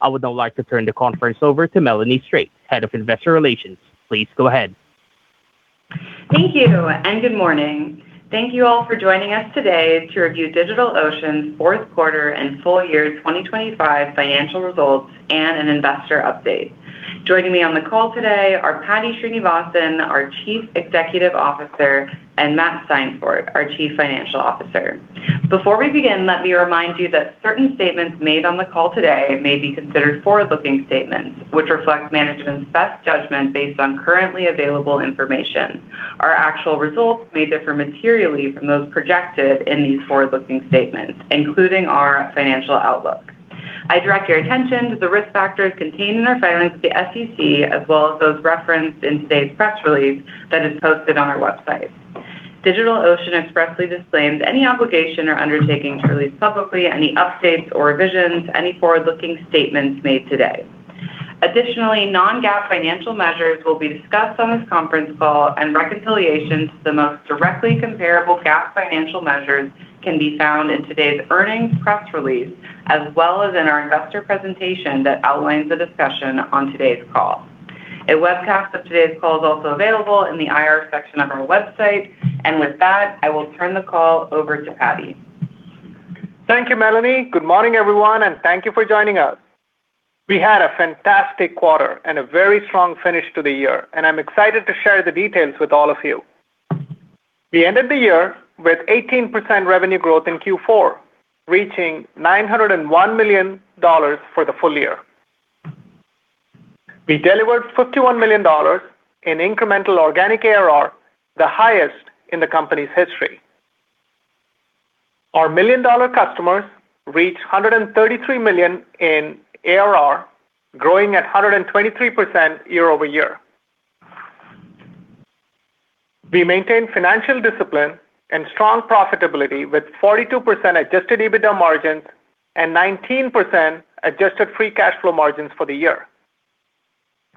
I would now like to turn the conference over to Melanie Strate, Head of Investor Relations. Please go ahead. Thank you. Good morning. Thank you all for joining us today to review DigitalOcean's fourth quarter and full-year 2025 financial results and an investor update. Joining me on the call today are Paddy Srinivasan, our Chief Executive Officer, and Matt Steinfort, our Chief Financial Officer. Before we begin, let me remind you that certain statements made on the call today may be considered forward-looking statements, which reflect management's best judgment based on currently available information. Our actual results may differ materially from those projected in these forward-looking statements, including our financial outlook. I direct your attention to the risk factors contained in our filings with the SEC, as well as those referenced in today's press release that is posted on our website. DigitalOcean expressly disclaims any obligation or undertaking to release publicly any updates or revisions to any forward-looking statements made today. Additionally, non-GAAP financial measures will be discussed on this conference call, and reconciliation to the most directly comparable GAAP financial measures can be found in today's earnings press release, as well as in our investor presentation that outlines the discussion on today's call. A webcast of today's call is also available in the IR section of our website. With that, I will turn the call over to Paddy. Thank you, Melanie. Good morning, everyone, thank you for joining us. We had a fantastic quarter and a very strong finish to the year, I'm excited to share the details with all of you. We ended the year with 18% revenue growth in Q4, reaching $901 million for the full year. We delivered $51 million in incremental organic ARR, the highest in the company's history. Our million-dollar customers reached $133 million in ARR, growing at 123% year-over-year. We maintained financial discipline and strong profitability, with 42% adjusted EBITDA margins and 19% adjusted free cash flow margins for the year.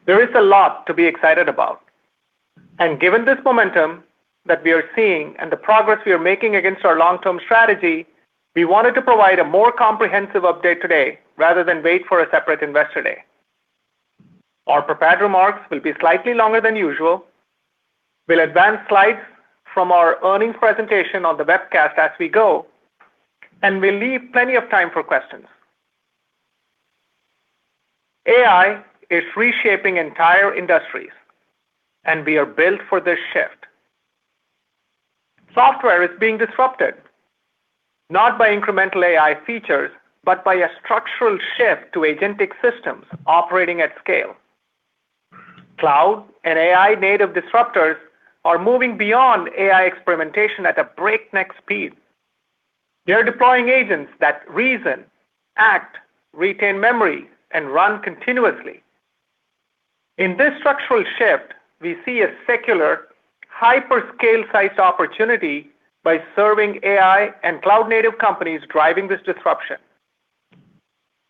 There is a lot to be excited about. Given this momentum that we are seeing and the progress we are making against our long-term strategy, we wanted to provide a more comprehensive update today rather than wait for a separate Investor Day. Our prepared remarks will be slightly longer than usual. We'll advance slides from our earnings presentation on the webcast as we go, and we'll leave plenty of time for questions. AI is reshaping entire industries, and we are built for this shift. Software is being disrupted, not by incremental AI features, but by a structural shift to agentic systems operating at scale. Cloud and AI-native disruptors are moving beyond AI experimentation at a breakneck speed. They are deploying agents that reason, act, retain memory, and run continuously. In this structural shift, we see a secular, hyperscale-sized opportunity by serving AI and cloud-native companies driving this disruption.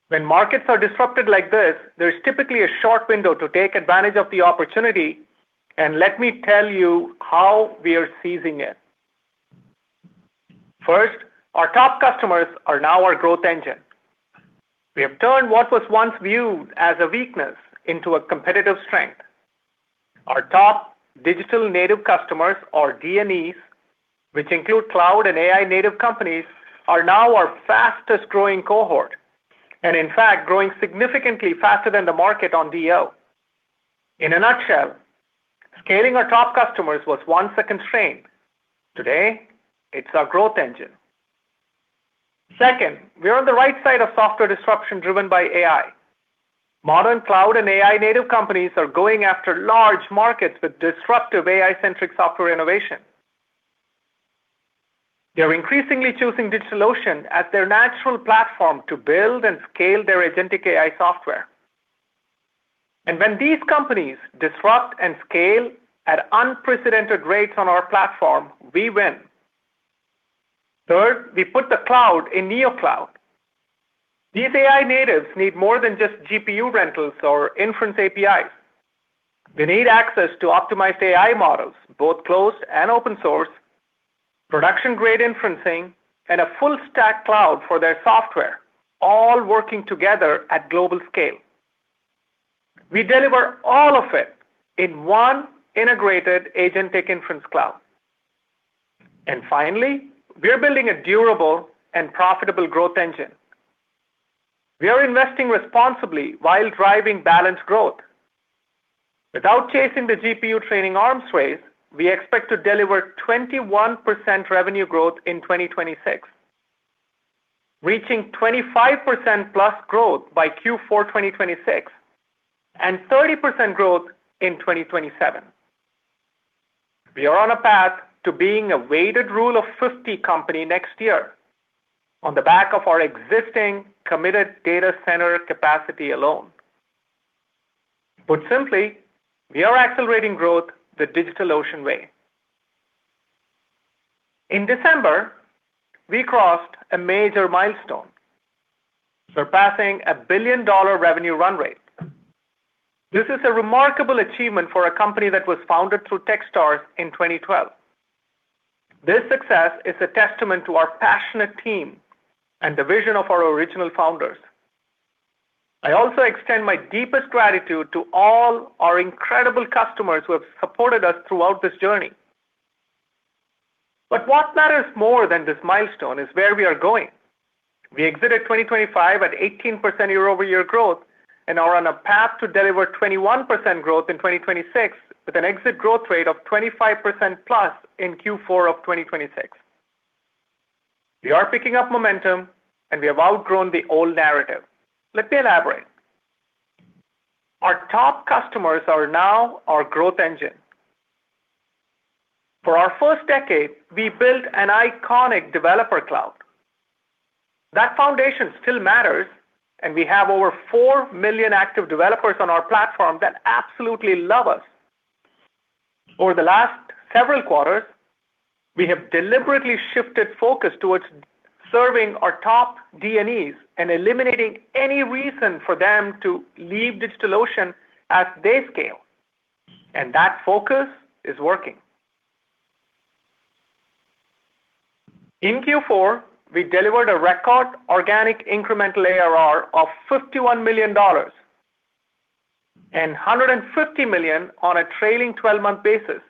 When markets are disrupted like this, there is typically a short window to take advantage of the opportunity, and let me tell you how we are seizing it. First, our top customers are now our growth engine. We have turned what was once viewed as a weakness into a competitive strength. Our top Digital Native customers, or DNEs, which include cloud and AI-native companies, are now our fastest-growing cohort, and in fact, growing significantly faster than the market on DL. In a nutshell, scaling our top customers was once a constraint. Today, it's our growth engine. Second, we are on the right side of software disruption driven by AI. Modern cloud and AI-native companies are going after large markets with disruptive AI-centric software innovation. They are increasingly choosing DigitalOcean as their natural platform to build and scale their agentic AI software. When these companies disrupt and scale at unprecedented rates on our platform, we win. Third, we put the cloud in neocloud. These AI natives need more than just GPU rentals or inference APIs. They need access to optimized AI models, both closed and open source, production-grade inferencing, and a full-stack cloud for their software, all working together at global scale. We deliver all of it in one integrated Agentic Inference Cloud. Finally, we are building a durable and profitable growth engine. We are investing responsibly while driving balanced growth. Without chasing the GPU training arms race, we expect to deliver 21% revenue growth in 2026, reaching 25%+ growth by Q4 2026, and 30% growth in 2027. We are on a path to being a weighted Rule of 50 company next year on the back of our existing committed data center capacity alone. Put simply, we are accelerating growth the DigitalOcean way. In December, we crossed a major milestone, surpassing a billion-dollar revenue run rate. This is a remarkable achievement for a company that was founded through Techstars in 2012. This success is a testament to our passionate team and the vision of our original founders. I also extend my deepest gratitude to all our incredible customers who have supported us throughout this journey. What matters more than this milestone is where we are going. We exited 2025 at 18% year-over-year growth and are on a path to deliver 21% growth in 2026, with an exit growth rate of 25%+ in Q4 of 2026. We are picking up momentum, and we have outgrown the old narrative. Let me elaborate. Our top customers are now our growth engine. For our first decade, we built an iconic developer cloud. That foundation still matters, and we have over 4 million active developers on our platform that absolutely love us. Over the last several quarters, we have deliberately shifted focus towards serving our top DNEs and eliminating any reason for them to leave DigitalOcean at their scale, and that focus is working. In Q4, we delivered a record organic incremental ARR of $51 million and $150 million on a trailing 12-month basis,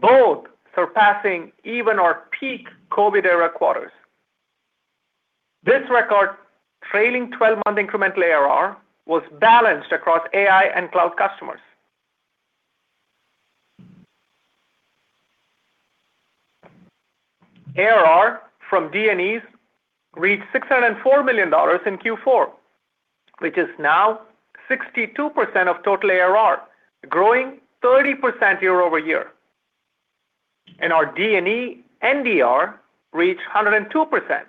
both surpassing even our peak COVID-era quarters. This record, trailing 12-month incremental ARR, was balanced across AI and cloud customers. ARR from DNEs reached $604 million in Q4, which is now 62% of total ARR, growing 30% year-over-year. Our DNE NDR reached 102%,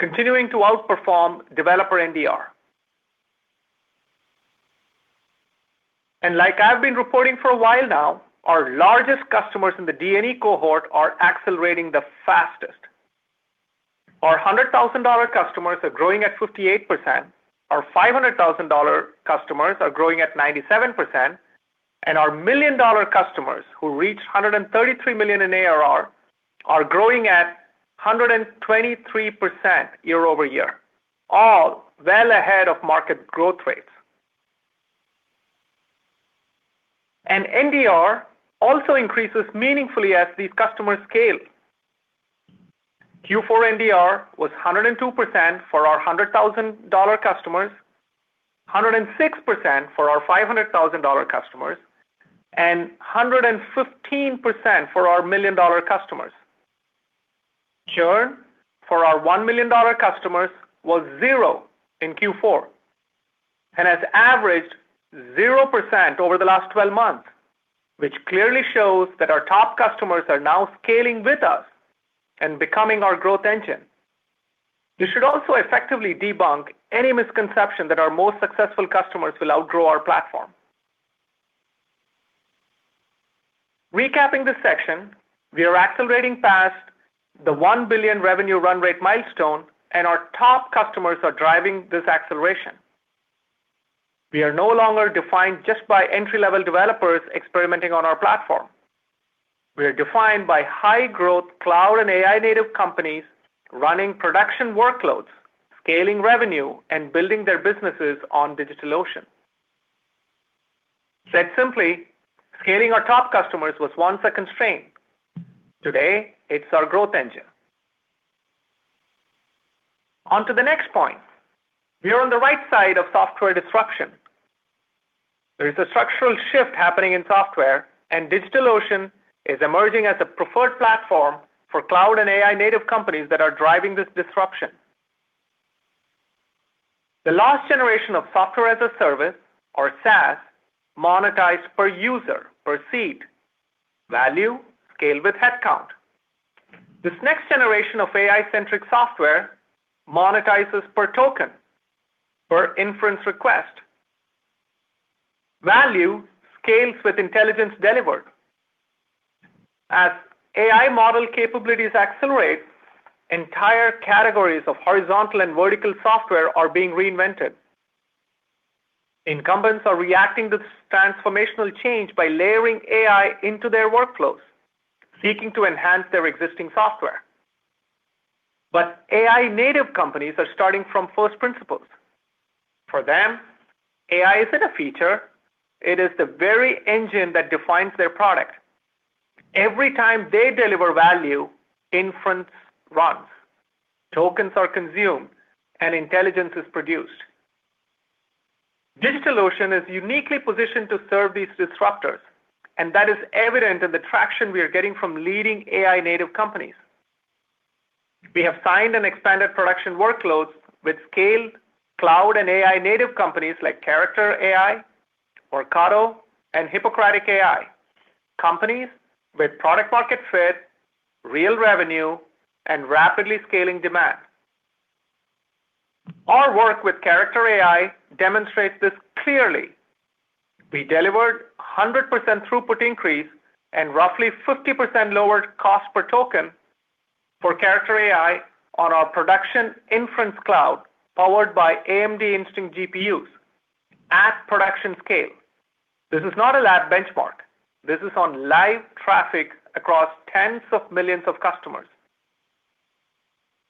continuing to outperform developer NDR. Like I've been reporting for a while now, our largest customers in the DNE cohort are accelerating the fastest. Our $100,000 customers are growing at 58%, our $500,000 customers are growing at 97%, and our $1 million customers, who reach $133 million in ARR, are growing at 123% year-over-year, all well ahead of market growth rates. NDR also increases meaningfully as these customers scale. Q4 NDR was 102% for our $100,000 customers, 106% for our $500,000 customers, and 115% for our $1 million customers. Churn for our $1 million customers was 0% in Q4 and has averaged 0% over the last 12 months, which clearly shows that our top customers are now scaling with us and becoming our growth engine. This should also effectively debunk any misconception that our most successful customers will outgrow our platform. Recapping this section, we are accelerating past the $1 billion revenue run rate milestone, and our top customers are driving this acceleration. We are no longer defined just by entry-level developers experimenting on our platform. We are defined by high-growth cloud and AI-native companies running production workloads, scaling revenue, and building their businesses on DigitalOcean. Said simply, scaling our top customers was once a constraint, today it's our growth engine. On to the next point. We are on the right side of software disruption. There is a structural shift happening in software, and DigitalOcean is emerging as a preferred platform for cloud and AI-native companies that are driving this disruption. The last generation of software as a service, or SaaS, monetized per user, per seat, value scaled with headcount. This next generation of AI-centric software monetizes per token, per inference request. Value scales with intelligence delivered. As AI model capabilities accelerate, entire categories of horizontal and vertical software are being reinvented. Incumbents are reacting to this transformational change by layering AI into their workflows, seeking to enhance their existing software. AI-native companies are starting from first principles. For them, AI isn't a feature, it is the very engine that defines their product. Every time they deliver value, inference runs, tokens are consumed, and intelligence is produced. DigitalOcean is uniquely positioned to serve these disruptors, and that is evident in the traction we are getting from leading AI-native companies. We have signed and expanded production workloads with scaled cloud and AI-native companies like Character.ai, Ocado, and Hippocratic AI, companies with product market fit, real revenue, and rapidly scaling demand. Our work with Character.ai demonstrates this clearly. We delivered a 100% throughput increase and roughly 50% lower cost per token for Character.ai on our production inference cloud, powered by AMD Instinct GPUs at production scale. This is not a lab benchmark. This is on live traffic across tens of millions of customers.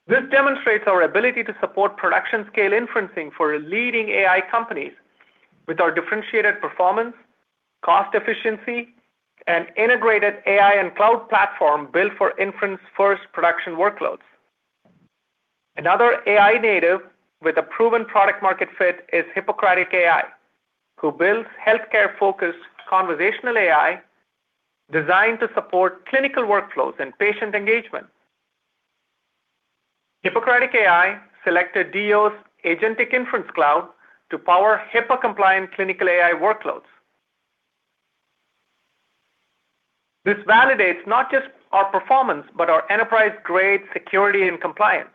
This demonstrates our ability to support production scale inferencing for leading AI companies with our differentiated performance, cost efficiency, and integrated AI and cloud platform built for inference-first production workloads. Another AI native with a proven product market fit is Hippocratic AI, who builds healthcare-focused conversational AI, designed to support clinical workflows and patient engagement. Hippocratic AI selected DO's Agentic Inference Cloud to power HIPAA-compliant clinical AI workloads. This validates not just our performance, but our enterprise-grade security and compliance.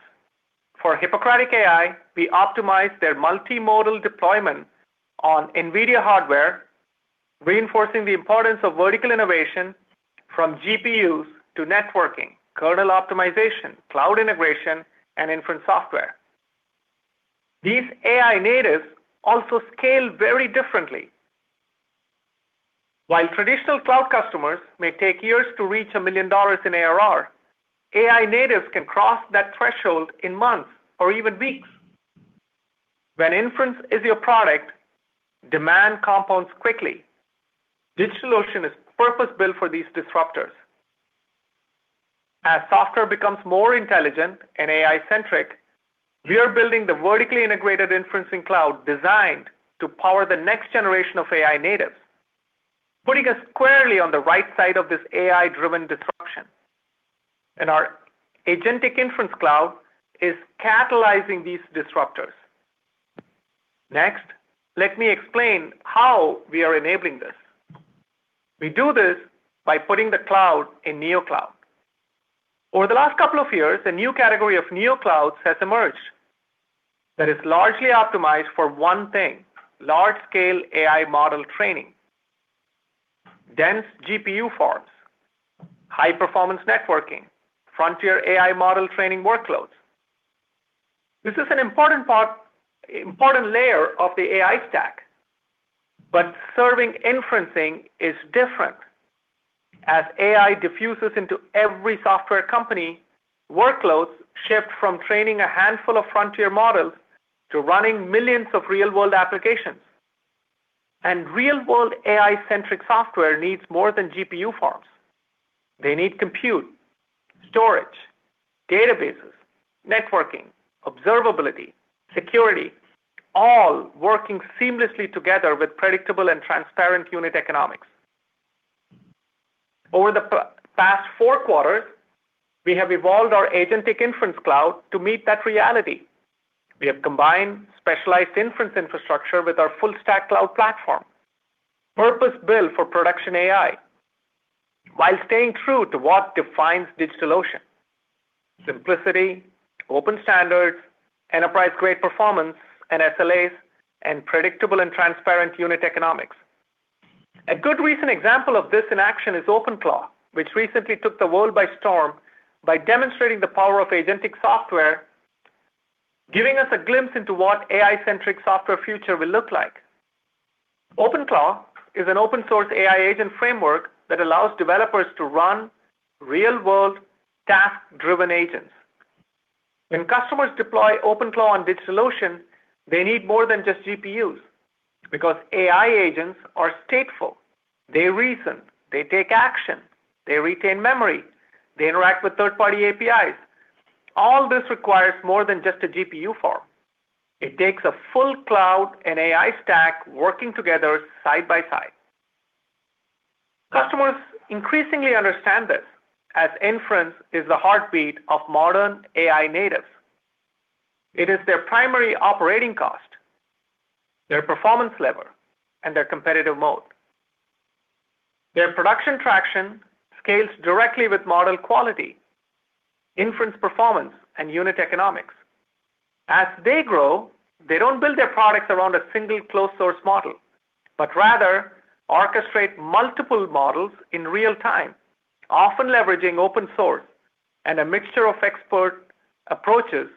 For Hippocratic AI, we optimize their multimodal deployment on NVIDIA hardware, reinforcing the importance of vertical innovation from GPUs to networking, kernel optimization, cloud integration, and inference software. These AI natives also scale very differently. While traditional cloud customers may take years to reach $1 million in ARR, AI natives can cross that threshold in months or even weeks. When inference is your product, demand compounds quickly. DigitalOcean is purpose-built for these disruptors. As software becomes more intelligent and AI-centric, we are building the vertically integrated inferencing cloud designed to power the next generation of AI natives, putting us squarely on the right side of this AI-driven disruption. Our Agentic Inference Cloud is catalyzing these disruptors. Next, let me explain how we are enabling this. We do this by putting the cloud in neocloud. Over the last couple of years, a new category of neoclouds has emerged, that is largely optimized for one thing: large-scale AI model training, dense GPU forms, high-performance networking, frontier AI model training workloads. This is an important layer of the AI stack, but serving inferencing is different. As AI diffuses into every software company, workloads shift from training a handful of frontier models to running millions of real-world applications. Real-world AI-centric software needs more than GPU forms. They need compute, storage, databases, networking, observability, security, all working seamlessly together with predictable and transparent unit economics. Over the past four quarters, we have evolved our Agentic Inference Cloud to meet that reality. We have combined specialized inference infrastructure with our full-stack cloud platform, purpose-built for production AI, while staying true to what defines DigitalOcean: simplicity, open standards, enterprise-grade performance and SLAs, and predictable and transparent unit economics. A good recent example of this in action is OpenClaw, which recently took the world by storm by demonstrating the power of agentic software, giving us a glimpse into what AI-centric software future will look like. OpenClaw is an open-source AI agent framework that allows developers to run real-world, task-driven agents. When customers deploy OpenClaw on DigitalOcean, they need more than just GPUs, because AI agents are stateful. They reason, they take action, they retain memory, they interact with third-party APIs. All this requires more than just a GPU form. It takes a full cloud and AI stack working together side by side. Customers increasingly understand this, as inference is the heartbeat of modern AI natives. It is their primary operating cost, their performance lever, and their competitive mode. Their production traction scales directly with model quality, inference performance, and unit economics. As they grow, they don't build their products around a single closed-source model, but rather orchestrate multiple models in real time, often leveraging open source and a mixture of expert approaches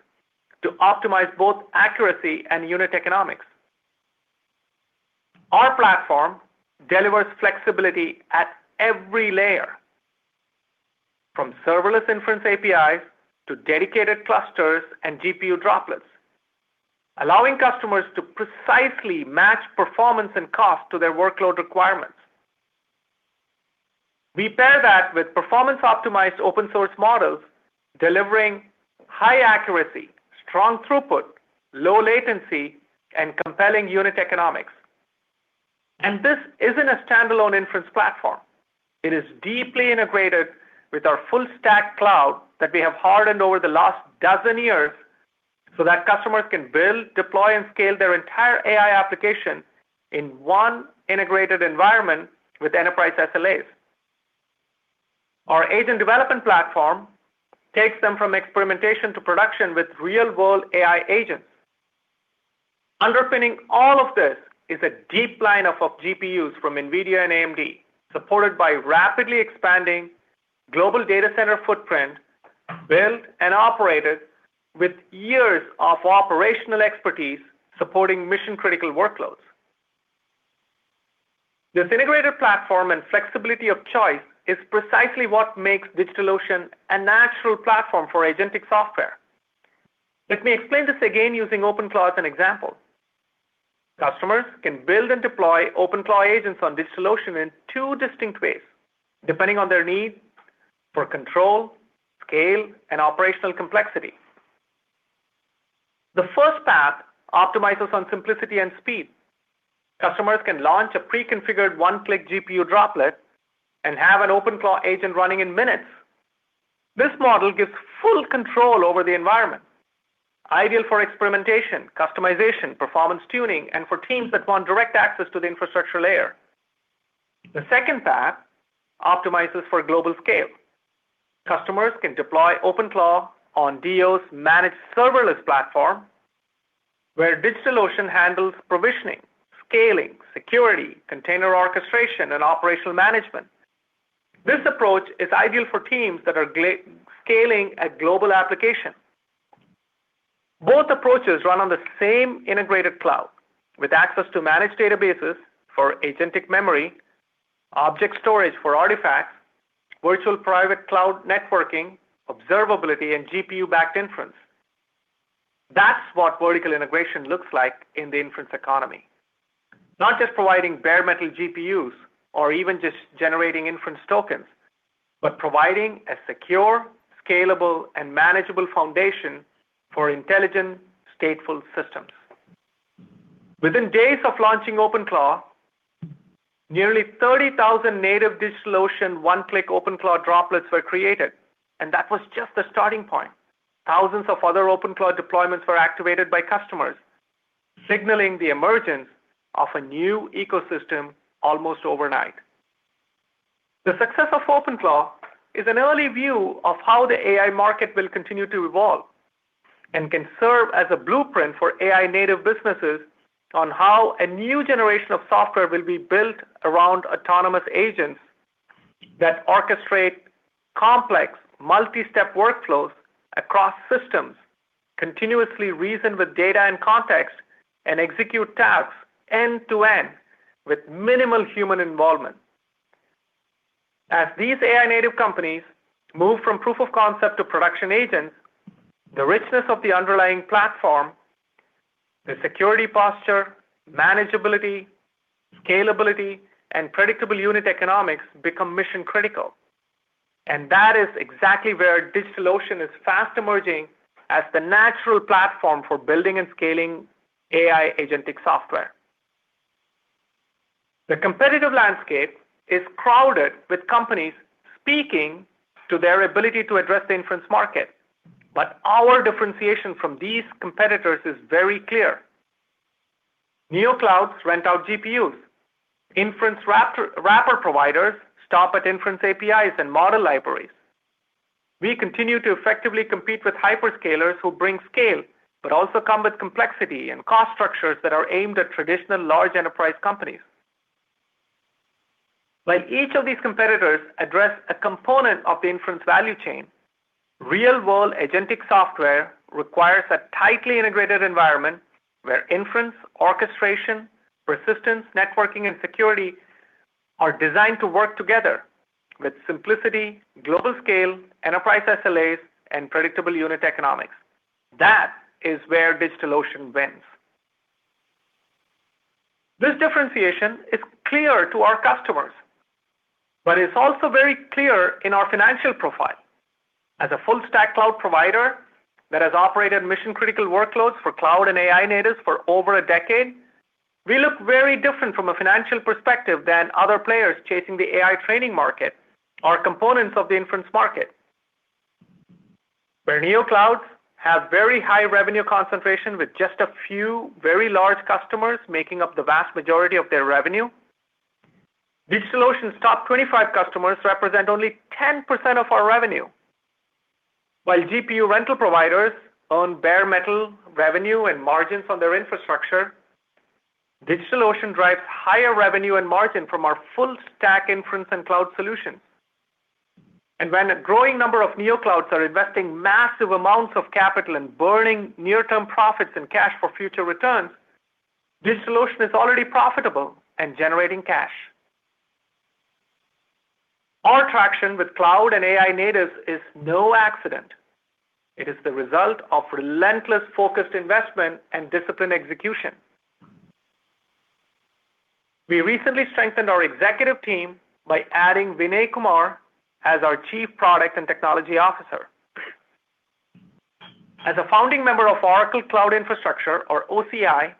to optimize both accuracy and unit economics. Our platform delivers flexibility at every layer, from serverless inference APIs to dedicated clusters and GPU Droplets, allowing customers to precisely match performance and cost to their workload requirements. We pair that with performance-optimized open-source models, delivering high accuracy, strong throughput, low latency, and compelling unit economics. This isn't a standalone inference platform. It is deeply integrated with our full-stack cloud that we have hardened over the last 12 years, so that customers can build, deploy, and scale their entire AI application in one integrated environment with enterprise SLAs. Our agent development platform takes them from experimentation to production with real-world AI agents. Underpinning all of this is a deep lineup of GPUs from NVIDIA and AMD, supported by rapidly expanding global data center footprint, built and operated with years of operational expertise supporting mission-critical workloads. This integrated platform and flexibility of choice is precisely what makes DigitalOcean a natural platform for agentic software. Let me explain this again using OpenClaw as an example. Customers can build and deploy OpenClaw agents on DigitalOcean in two distinct ways, depending on their need for control, scale, and operational complexity. The first path optimizes on simplicity and speed. Customers can launch a pre-configured one-click GPU Droplet and have an OpenClaw agent running in minutes. This model gives full control over the environment, ideal for experimentation, customization, performance tuning, and for teams that want direct access to the infrastructure layer. The second path optimizes for global scale. Customers can deploy OpenClaw on DO's managed serverless platform, where DigitalOcean handles provisioning, scaling, security, container orchestration, and operational management. This approach is ideal for teams that are scaling a global application. Both approaches run on the same integrated cloud, with access to managed databases for agentic memory, object storage for artifacts, virtual private cloud networking, observability, and GPU-backed inference. That's what vertical integration looks like in the inference economy. Not just providing bare metal GPUs or even just generating inference tokens, but providing a secure, scalable, and manageable foundation for intelligent, stateful systems. Within days of launching OpenClaw, nearly 30,000 native DigitalOcean one-click OpenClaw Droplets were created, that was just the starting point. Thousands of other OpenClaw deployments were activated by customers, signaling the emergence of a new ecosystem almost overnight. The success of OpenClaw is an early view of how the AI market will continue to evolve, can serve as a blueprint for AI-native businesses on how a new generation of software will be built around autonomous agents that orchestrate complex, multi-step workflows across systems, continuously reason with data and context, and execute tasks end-to-end with minimal human involvement. As these AI-native companies move from proof of concept to production agents, the richness of the underlying platform, the security posture, manageability, scalability, and predictable unit economics become mission-critical. That is exactly where DigitalOcean is fast emerging as the natural platform for building and scaling AI agentic software. The competitive landscape is crowded with companies speaking to their ability to address the inference market, our differentiation from these competitors is very clear. Neoclouds rent out GPUs. Inference wrapper providers stop at inference APIs and model libraries. We continue to effectively compete with hyperscalers who bring scale, but also come with complexity and cost structures that are aimed at traditional large enterprise companies. While each of these competitors address a component of the inference value chain, real-world agentic software requires a tightly integrated environment where inference, orchestration, persistence, networking, and security are designed to work together with simplicity, global scale, enterprise SLAs, and predictable unit economics. That is where DigitalOcean wins. This differentiation is clear to our customers, but it's also very clear in our financial profile. As a full-stack cloud provider that has operated mission-critical workloads for cloud and AI natives for over a decade, we look very different from a financial perspective than other players chasing the AI training market or components of the inference market. Where neoclouds have very high revenue concentration, with just a few very large customers making up the vast majority of their revenue, DigitalOcean's top 25 customers represent only 10% of our revenue. While GPU rental providers own bare metal revenue and margins on their infrastructure, DigitalOcean drives higher revenue and margin from our full-stack inference and cloud solutions. When a growing number of neoclouds are investing massive amounts of capital and burning near-term profits and cash for future returns, DigitalOcean is already profitable and generating cash. Our traction with cloud and AI natives is no accident. It is the result of relentless, focused investment and disciplined execution. We recently strengthened our executive team by adding Vinay Kumar as our Chief Product and Technology Officer. As a founding member of Oracle Cloud Infrastructure, or OCI,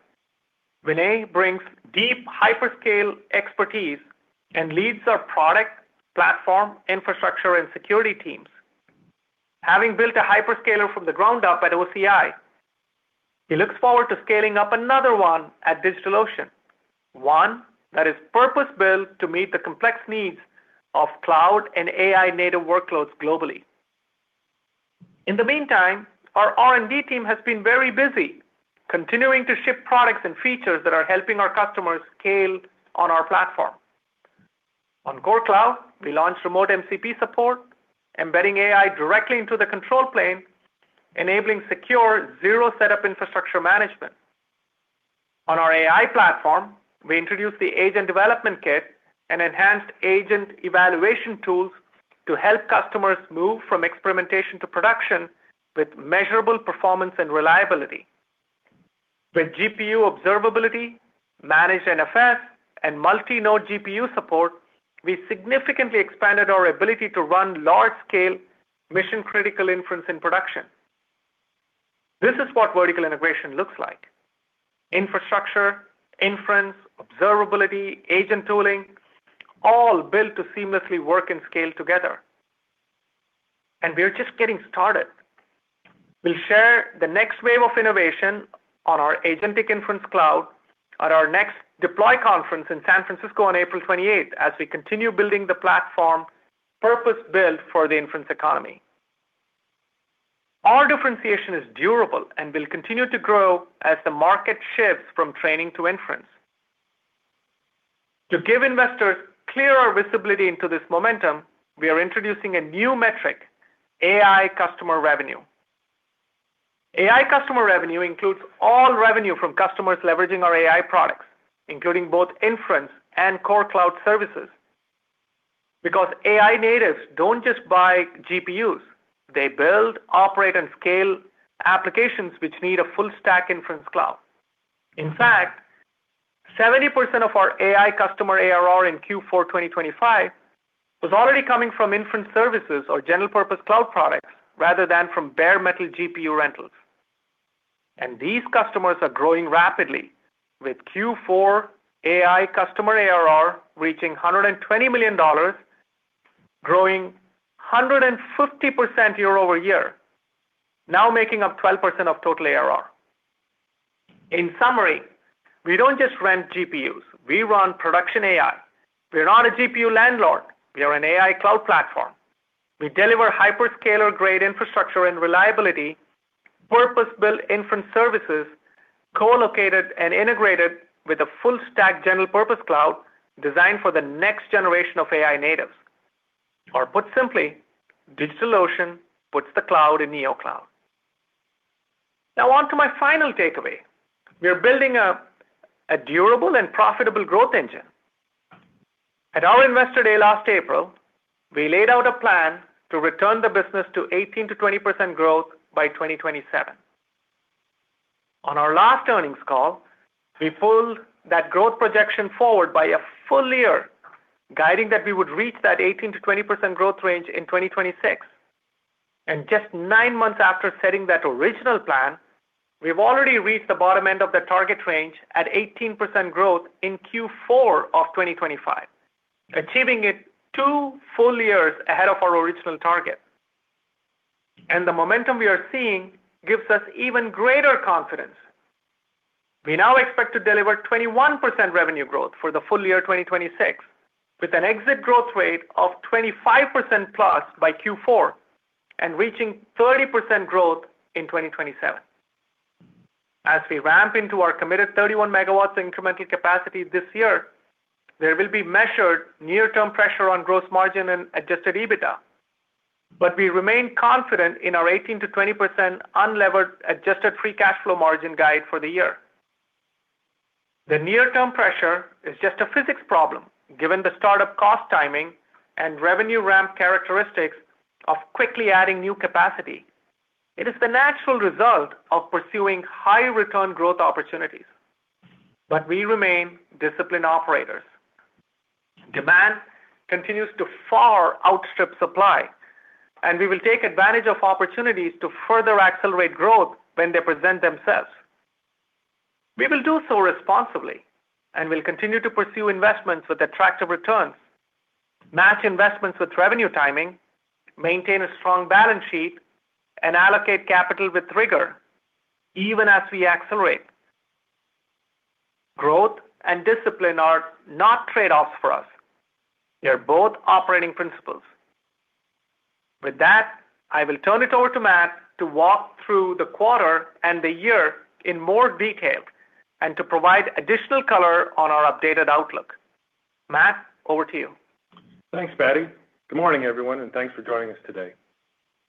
Vinay brings deep hyperscale expertise and leads our product, platform, infrastructure, and security teams. Having built a hyperscaler from the ground up at OCI, he looks forward to scaling up another one at DigitalOcean, one that is purpose-built to meet the complex needs of cloud and AI-native workloads globally. In the meantime, our R&D team has been very busy continuing to ship products and features that are helping our customers scale on our platform. On core cloud, we launched Remote MCP support, embedding AI directly into the control plane, enabling secure zero-setup infrastructure management. On our AI platform, we introduced the Agent Development Kit and enhanced agent evaluation tools to help customers move from experimentation to production with measurable performance and reliability. With GPU observability, managed NFS, and multi-node GPU support, we significantly expanded our ability to run large-scale mission-critical inference in production. This is what vertical integration looks like: infrastructure, inference, observability, agent tooling, all built to seamlessly work and scale together. We are just getting started. We'll share the next wave of innovation on our Agentic Inference Cloud at our next Deploy conference in San Francisco on April 28, as we continue building the platform purpose-built for the inference economy. Our differentiation is durable and will continue to grow as the market shifts from training to inference. To give investors clearer visibility into this momentum, we are introducing a new metric, AI customer revenue. AI customer revenue includes all revenue from customers leveraging our AI products, including both inference and core cloud services. Because AI natives don't just buy GPUs, they build, operate, and scale applications which need a full-stack inference cloud. In fact, 70% of our AI customer ARR in Q4 2025 was already coming from inference services or general-purpose cloud products, rather than from bare metal GPU rentals. These customers are growing rapidly, with Q4 AI customer ARR reaching $120 million, growing 150% year-over-year, now making up 12% of total ARR. In summary, we don't just rent GPUs, we run production AI. We're not a GPU landlord, we are an AI cloud platform. We deliver hyperscaler-grade infrastructure and reliability, purpose-built inference services, colocated and integrated with a full-stack general-purpose cloud designed for the next generation of AI natives. Put simply, DigitalOcean puts the cloud in neocloud. Now, on to my final takeaway. We are building up a durable and profitable growth engine. At our Investor Day last April, we laid out a plan to return the business to 18%-20% growth by 2027. On our last earnings call, we pulled that growth projection forward by a full year, guiding that we would reach that 18%-20% growth range in 2026. Just nine months after setting that original plan, we've already reached the bottom end of the target range at 18% growth in Q4 of 2025, achieving it two full years ahead of our original target. The momentum we are seeing gives us even greater confidence. We now expect to deliver 21% revenue growth for the full-year 2026, with an exit growth rate of 25%+ by Q4, and reaching 30% growth in 2027. As we ramp into our committed 31 MW incremental capacity this year, there will be measured near-term pressure on gross margin and adjusted EBITDA, but we remain confident in our 18%-20% unlevered adjusted free cash flow margin guide for the year. The near-term pressure is just a physics problem, given the start of cost timing and revenue ramp characteristics of quickly adding new capacity. It is the natural result of pursuing high-return growth opportunities, but we remain disciplined operators. Demand continues to far outstrip supply, and we will take advantage of opportunities to further accelerate growth when they present themselves. We will do so responsibly, and we'll continue to pursue investments with attractive returns, match investments with revenue timing, maintain a strong balance sheet, and allocate capital with rigor even as we accelerate. Growth and discipline are not trade-offs for us. They are both operating principles. With that, I will turn it over to Matt to walk through the quarter and the year in more detail, and to provide additional color on our updated outlook. Matt, over to you. Thanks, Paddy. Good morning, everyone, thanks for joining us today.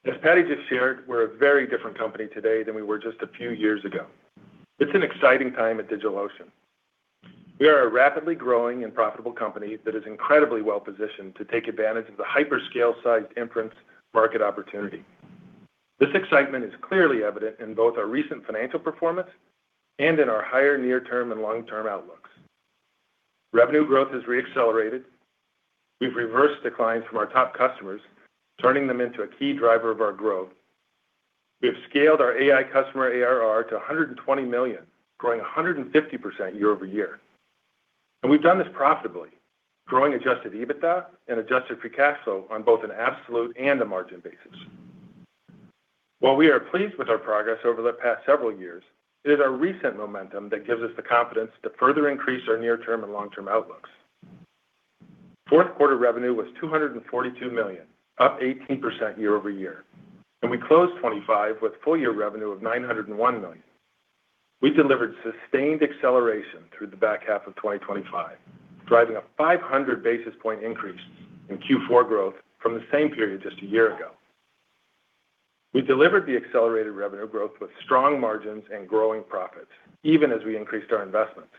As Paddy just shared, we're a very different company today than we were just a few years ago. It's an exciting time at DigitalOcean. We are a rapidly growing and profitable company that is incredibly well-positioned to take advantage of the hyperscale-sized inference market opportunity. This excitement is clearly evident in both our recent financial performance and in our higher near-term and long-term outlooks. Revenue growth has reaccelerated. We've reversed declines from our top customers, turning them into a key driver of our growth. We have scaled our AI customer ARR to $120 million, growing 150% year-over-year. We've done this profitably, growing adjusted EBITDA and adjusted free cash flow on both an absolute and a margin basis. While we are pleased with our progress over the past several years, it is our recent momentum that gives us the confidence to further increase our near-term and long-term outlooks. Fourth quarter revenue was $242 million, up 18% year-over-year. We closed 2025 with full-year revenue of $901 million. We delivered sustained acceleration through the back half of 2025, driving a 500-basis point increase in Q4 growth from the same period just a year ago. We delivered the accelerated revenue growth with strong margins and growing profits, even as we increased our investments.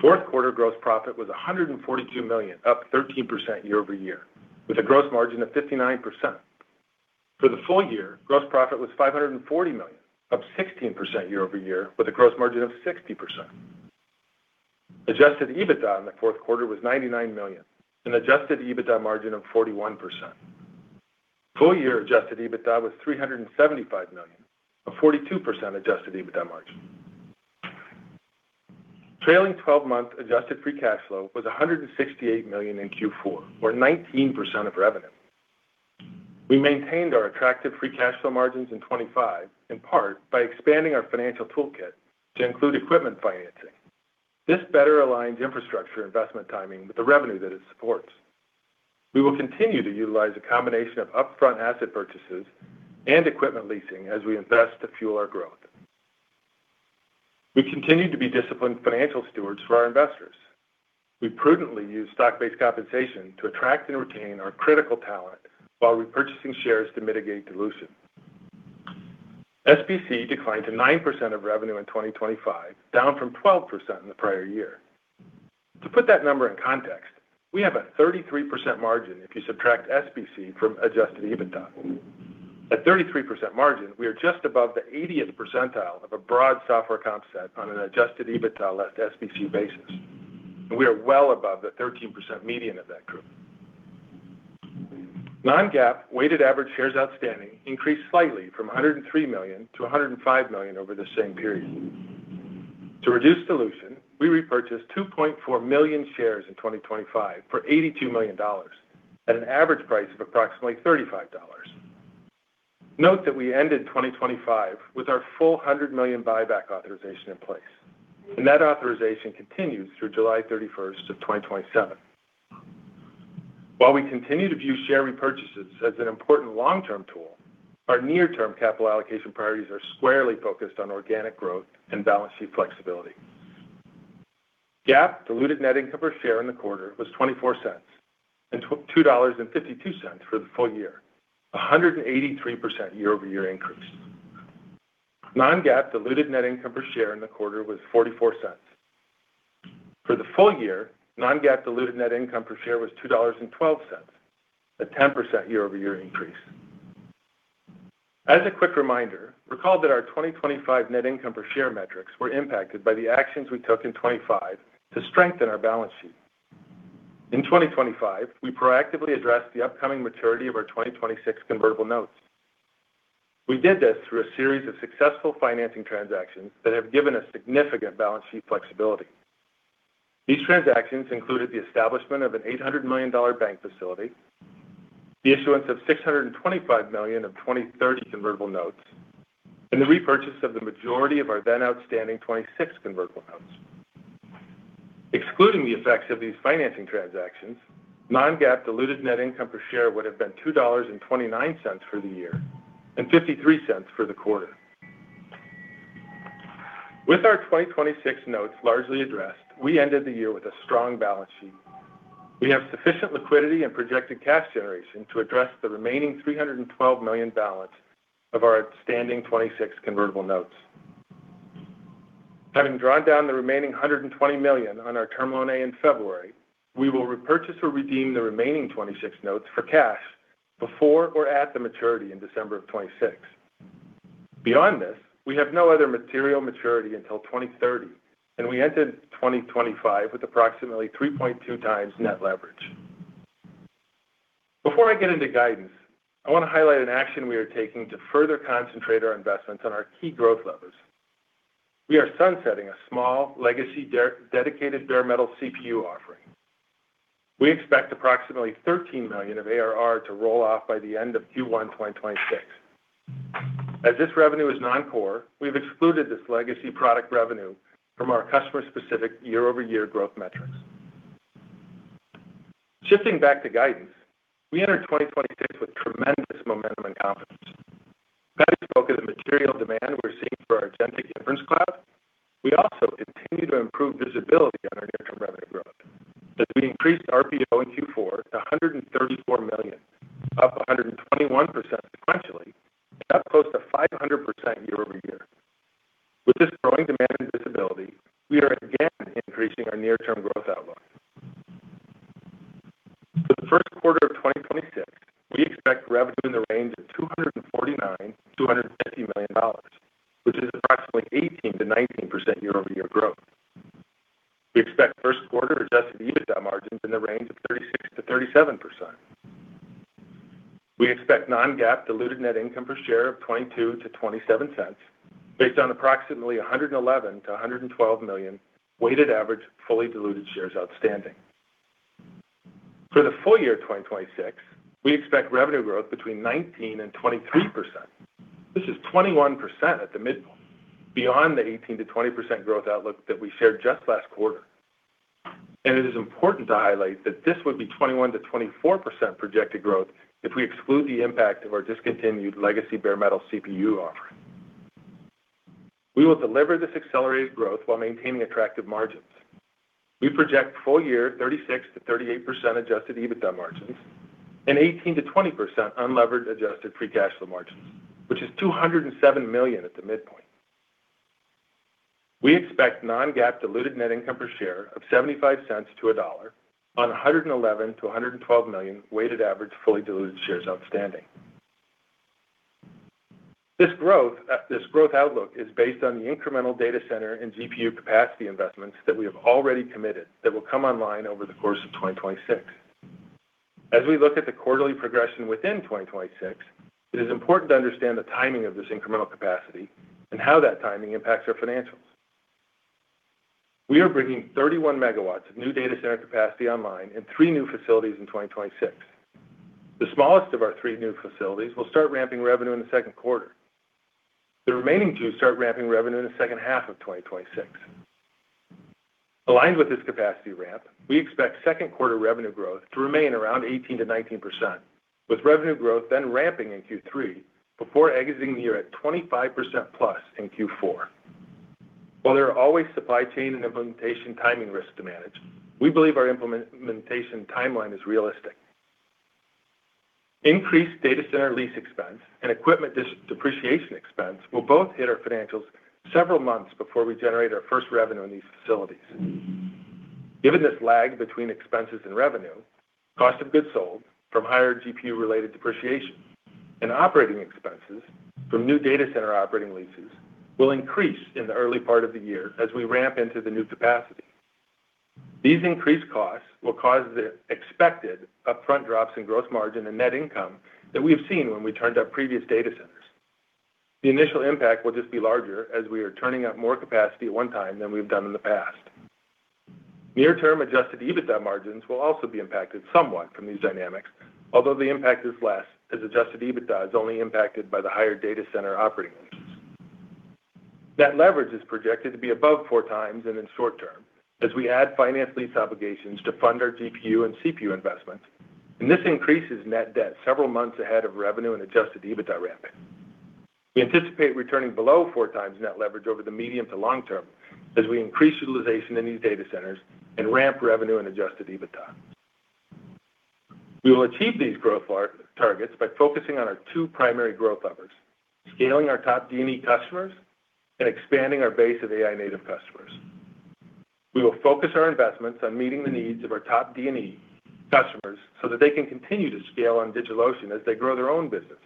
Fourth quarter gross profit was $142 million, up 13% year-over-year, with a gross margin of 59%. For the full year, gross profit was $540 million, up 16% year-over-year, with a gross margin of 60%. Adjusted EBITDA in the fourth quarter was $99 million, a adjusted EBITDA margin of 41%. Full-year adjusted EBITDA was $375 million, a 42% adjusted EBITDA margin. Trailing 12-month adjusted free cash flow was $168 million in Q4, or 19% of revenue. We maintained our attractive free cash flow margins in 2025, in part by expanding our financial toolkit to include equipment financing. This better aligns infrastructure investment timing with the revenue that it supports. We will continue to utilize a combination of upfront asset purchases and equipment leasing as we invest to fuel our growth. We continue to be disciplined financial stewards for our investors. We prudently use stock-based compensation to attract and retain our critical talent while repurchasing shares to mitigate dilution. SBC declined to 9% of revenue in 2025, down from 12% in the prior year. To put that number in context, we have a 33% margin if you subtract SBC from adjusted EBITDA. At 33% margin, we are just above the 80th percentile of a broad software comp set on an adjusted EBITDA less SBC basis, and we are well above the 13% median of that group. Non-GAAP weighted average shares outstanding increased slightly from 103 million to 105 million over the same period. To reduce dilution, we repurchased 2.4 million shares in 2025 for $82 million at an average price of approximately $35. Note that we ended 2025 with our full 100 million buyback authorization in place, and that authorization continues through July 31st of 2027. While we continue to view share repurchases as an important long-term tool, our near-term capital allocation priorities are squarely focused on organic growth and balance sheet flexibility. GAAP diluted net income per share in the quarter was $0.24, and $2.52 for the full year, a 183% year-over-year increase. Non-GAAP diluted net income per share in the quarter was $0.44. For the full year, non-GAAP diluted net income per share was $2.12, a 10% year-over-year increase. As a quick reminder, recall that our 2025 net income per share metrics were impacted by the actions we took in 2025 to strengthen our balance sheet. In 2025, we proactively addressed the upcoming maturity of our 2026 convertible notes. We did this through a series of successful financing transactions that have given us significant balance sheet flexibility. These transactions included the establishment of an $800 million bank facility, the issuance of $625 million of 2030 convertible notes, and the repurchase of the majority of our then outstanding 2026 convertible notes. Excluding the effects of these financing transactions, non-GAAP diluted net income per share would have been $2.29 for the year and $0.53 for the quarter. With our 2026 notes largely addressed, we ended the year with a strong balance sheet. We have sufficient liquidity and projected cash generation to address the remaining $312 million balance of our outstanding 2026 convertible notes. Having drawn down the remaining $120 million on our Term Loan A in February, we will repurchase or redeem the remaining 2026 notes for cash before or at the maturity in December of 2026. Beyond this, we have no other material maturity until 2030, and we entered 2025 with approximately 3.2x net leverage. Before I get into guidance, I want to highlight an action we are taking to further concentrate our investments on our key growth levers. We are sunsetting a small legacy dedicated bare metal CPU offering. We expect approximately $13 million of ARR to roll off by the end of Q1 2026. As this revenue is non-core, we've excluded this legacy product revenue from our customer-specific year-over-year growth metrics. Shifting back to guidance, we enter 2026 with tremendous momentum and confidence. Paddy spoke of the material demand we're seeing for our Agentic Inference Cloud. We also continue to improve visibility on our near-term revenue growth, as we increased RPO in Q4 to $134 million, up 121% sequentially, and up close to 500% year-over-year. With this growing demand and visibility, we are again increasing our near-term growth outlook. For the first quarter of 2026, we expect revenue in the range of $249 million-$250 million, which is approximately 18%-19% year-over-year growth. We expect first quarter adjusted EBITDA margins in the range of 36%-37%. We expect non-GAAP diluted net income per share of $0.22-$0.27, based on approximately 111 million-112 million weighted average fully diluted shares outstanding. For the full-year 2026, we expect revenue growth between 19% and 23%. This is 21% at the midpoint, beyond the 18%-20% growth outlook that we shared just last quarter. It is important to highlight that this would be 21%-24% projected growth if we exclude the impact of our discontinued legacy bare metal CPU offering. We will deliver this accelerated growth while maintaining attractive margins. We project full-year 36%-38% adjusted EBITDA margins and 18%-20% unlevered adjusted free cash flow margins, which is $207 million at the midpoint. We expect non-GAAP diluted net income per share of $0.75-$1.00 on 111 million-112 million weighted average fully diluted shares outstanding. This growth, this growth outlook is based on the incremental data center and GPU capacity investments that we have already committed that will come online over the course of 2026. As we look at the quarterly progression within 2026, it is important to understand the timing of this incremental capacity and how that timing impacts our financials. We are bringing 31 MW of new data center capacity online in three new facilities in 2026. The smallest of our three new facilities will start ramping revenue in the second quarter. The remaining two start ramping revenue in the second half of 2026. Aligned with this capacity ramp, we expect second quarter revenue growth to remain around 18%-19%, with revenue growth then ramping in Q3 before exiting the year at 25%+ in Q4. While there are always supply chain and implementation timing risks to manage, we believe our implementation timeline is realistic. Increased data center lease expense and equipment depreciation expense will both hit our financials several months before we generate our first revenue in these facilities. Given this lag between expenses and revenue, cost of goods sold from higher GPU-related depreciation and operating expenses from new data center operating leases will increase in the early part of the year as we ramp into the new capacity. These increased costs will cause the expected upfront drops in gross margin and net income that we've seen when we turned up previous data centers. The initial impact will just be larger, as we are turning up more capacity at one time than we've done in the past. Near-term adjusted EBITDA margins will also be impacted somewhat from these dynamics, although the impact is less, as adjusted EBITDA is only impacted by the higher data center operating leases. Net leverage is projected to be above 4x and in short term as we add finance lease obligations to fund our GPU and CPU investments, and this increases net debt several months ahead of revenue and adjusted EBITDA ramping. We anticipate returning below 4x net leverage over the medium to long term as we increase utilization in these data centers and ramp revenue and adjusted EBITDA. We will achieve these growth targets by focusing on our two primary growth levers, scaling our top DNE customers and expanding our base of AI-native customers. We will focus our investments on meeting the needs of our top DNE customers so that they can continue to scale on DigitalOcean as they grow their own businesses.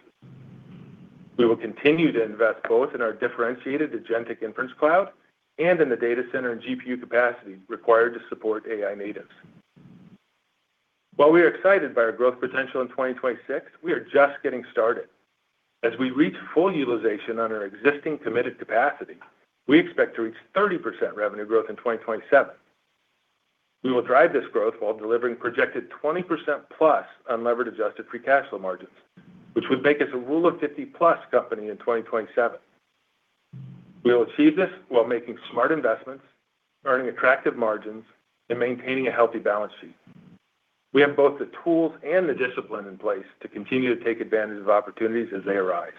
We will continue to invest both in our differentiated Agentic Inference Cloud and in the data center and GPU capacity required to support AI natives. While we are excited by our growth potential in 2026, we are just getting started. As we reach full utilization on our existing committed capacity, we expect to reach 30% revenue growth in 2027. We will drive this growth while delivering projected 20%+ unlevered adjusted free cash flow margins, which would make us a Rule of 50-plus company in 2027. We will achieve this while making smart investments, earning attractive margins, and maintaining a healthy balance sheet. We have both the tools and the discipline in place to continue to take advantage of opportunities as they arise.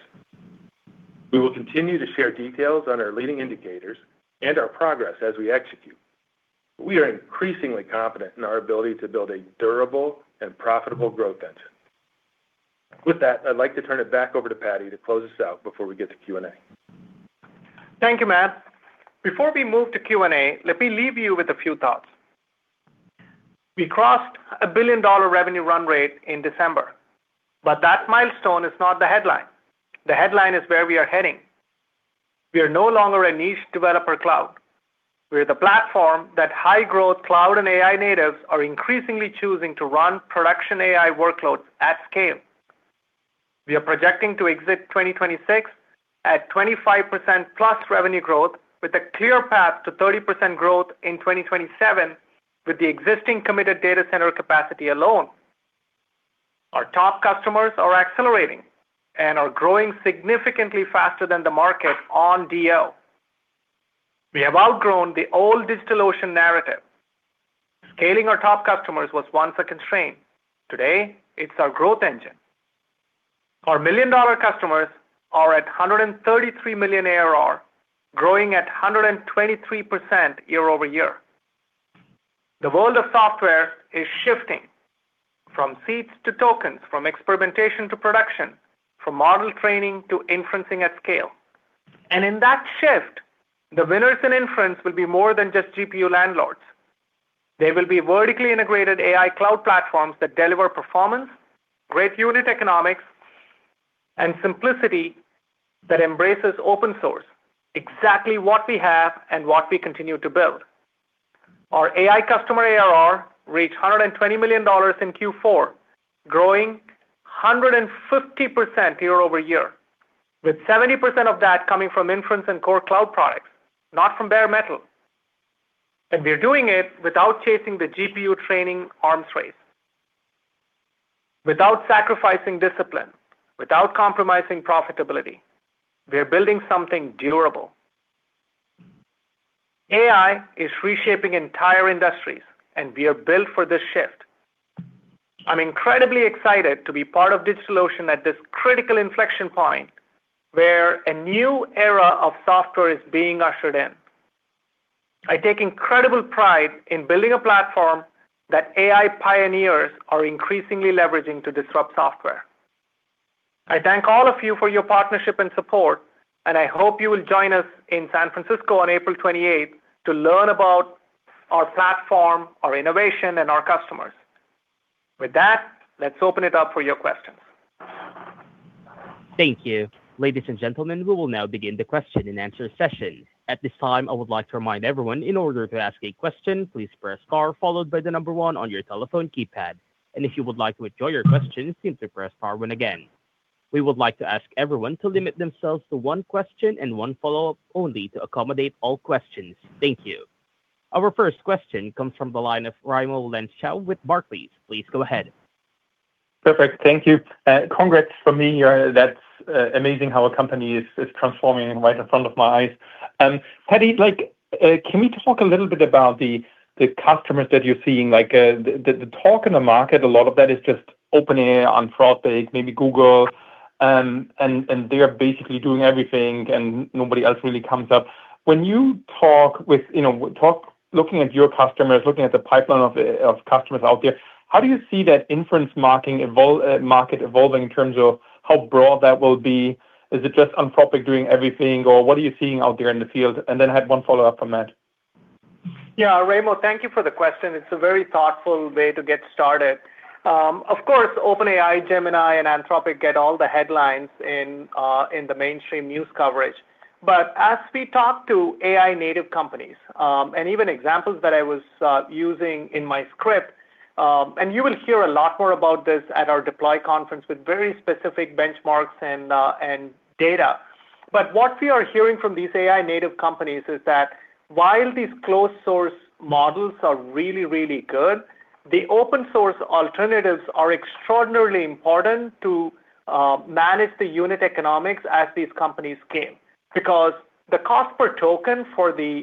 We will continue to share details on our leading indicators and our progress as we execute. We are increasingly confident in our ability to build a durable and profitable growth engine. With that, I'd like to turn it back over to Paddy to close us out before we get to Q&A. Thank you, Matt. Before we move to Q&A, let me leave you with a few thoughts. We crossed a a billion-dollar revenue run rate in December, but that milestone is not the headline. The headline is where we are heading. We are no longer a niche developer cloud. We are the platform that high-growth cloud and AI natives are increasingly choosing to run production AI workloads at scale. We are projecting to exit 2026 at 25%+ revenue growth, with a clear path to 30% growth in 2027 with the existing committed data center capacity alone. Our top customers are accelerating and are growing significantly faster than the market on DL. We have outgrown the old DigitalOcean narrative. Scaling our top customers was once a constraint. Today, it's our growth engine. Our million-dollar customers are at $133 million ARR, growing at 123% year-over-year. The world of software is shifting from seats to tokens, from experimentation to production, from model training to inferencing at scale. In that shift, the winners in inference will be more than just GPU landlords. They will be vertically integrated AI cloud platforms that deliver performance, great unit economics, and simplicity that embraces open source, exactly what we have and what we continue to build. Our AI customer ARR reached $120 million in Q4, growing 150% year-over-year, with 70% of that coming from inference and core cloud products, not from bare metal. We are doing it without chasing the GPU training arms race. Without sacrificing discipline, without compromising profitability, we are building something durable. AI is reshaping entire industries. We are built for this shift. I'm incredibly excited to be part of this solution at this critical inflection point, where a new era of software is being ushered in. I take incredible pride in building a platform that AI pioneers are increasingly leveraging to disrupt software. I thank all of you for your partnership and support. I hope you will join us in San Francisco on April 28 to learn about our platform, our innovation, and our customers. With that, let's open it up for your questions. Thank you. Ladies and gentlemen, we will now begin the question-and-answer session. At this time, I would like to remind everyone, in order to ask a question, please press star followed by the number one on your telephone keypad. If you would like to withdraw your question, simply press star one again. We would like to ask everyone to limit themselves to one question and one follow-up only to accommodate all questions. Thank you. Our first question comes from the line of Raimo Lenschow with Barclays. Please go ahead. Perfect. Thank you. Congrats from me. That's amazing how a company is transforming right in front of my eyes. Paddy, like, can we just talk a little bit about the customers that you're seeing? Like, the talk in the market, a lot of that is just OpenAI, Anthropic, maybe Google, and they are basically doing everything, nobody else really comes up. When you talk with, you know, looking at your customers, looking at the pipeline of customers out there, how do you see that inference market evolving in terms of how broad that will be? Is it just Anthropic doing everything, or what are you seeing out there in the field? Then I had one follow-up from Matt. Yeah. Raimo, thank you for the question. It's a very thoughtful way to get started. Of course, OpenAI, Gemini, and Anthropic get all the headlines in the mainstream news coverage. As we talk to AI-native companies, and even examples that I was using in my script, and you will hear a lot more about this at our Deploy conference, with very specific benchmarks and data. What we are hearing from these AI-native companies is that while these closed source models are really, really good, the open-source alternatives are extraordinarily important to manage the unit economics as these companies scale. The cost per token for the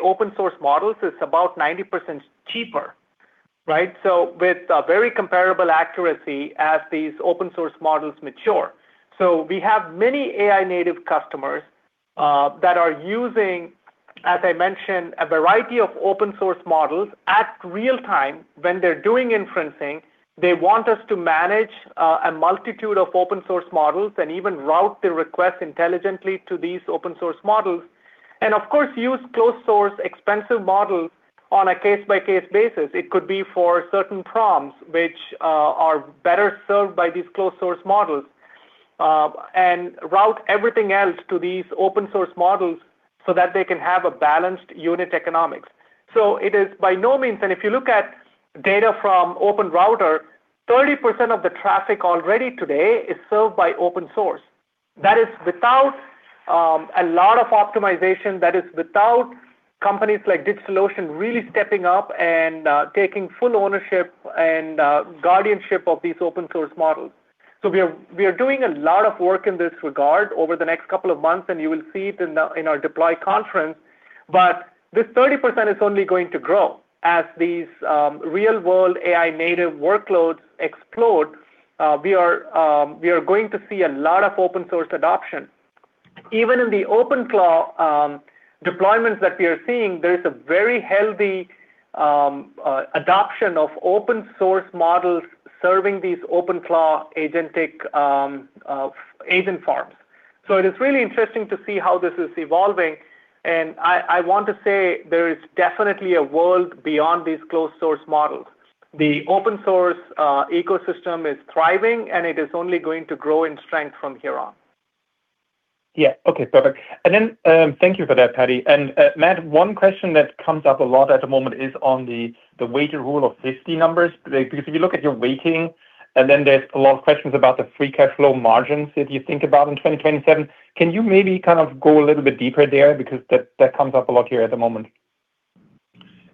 open-source models is about 90% cheaper, right? With a very comparable accuracy as these open-source models mature. We have many AI-native customers that are using, as I mentioned, a variety of open-source models at real time. When they're doing inferencing, they want us to manage a multitude of open-source models and even route the request intelligently to these open-source models, and of course, use closed source, expensive models on a case-by-case basis. It could be for certain prompts, which are better served by these closed source models, and route everything else to these open-source models so that they can have a balanced unit economics. It is by no means, and if you look at data from OpenRouter, 30% of the traffic already today is served by open source. That is without a lot of optimization, that is without companies like DigitalOcean really stepping up and taking full ownership and guardianship of these open-source models. We are doing a lot of work in this regard over the next couple of months, and you will see it in the, in our Deploy conference, but this 30% is only going to grow. As these real-world AI-native workloads explode, we are going to see a lot of open-source adoption. Even in the OpenClaw deployments that we are seeing, there is a very healthy adoption of open-source models serving these OpenClaw agentic agent farms. It is really interesting to see how this is evolving, and I want to say there is definitely a world beyond these closed source models. The open-source ecosystem is thriving, and it is only going to grow in strength from here on. Yeah. Okay, perfect. And then, thank you for that, Paddy. Matt, one question that comes up a lot at the moment is on the weighted Rule of 50 numbers. Because if you look at your weighting, and then there's a lot of questions about the free cash flow margins, if you think about in 2027. Can you maybe kind of go a little bit deeper there because that comes up a lot here at the moment?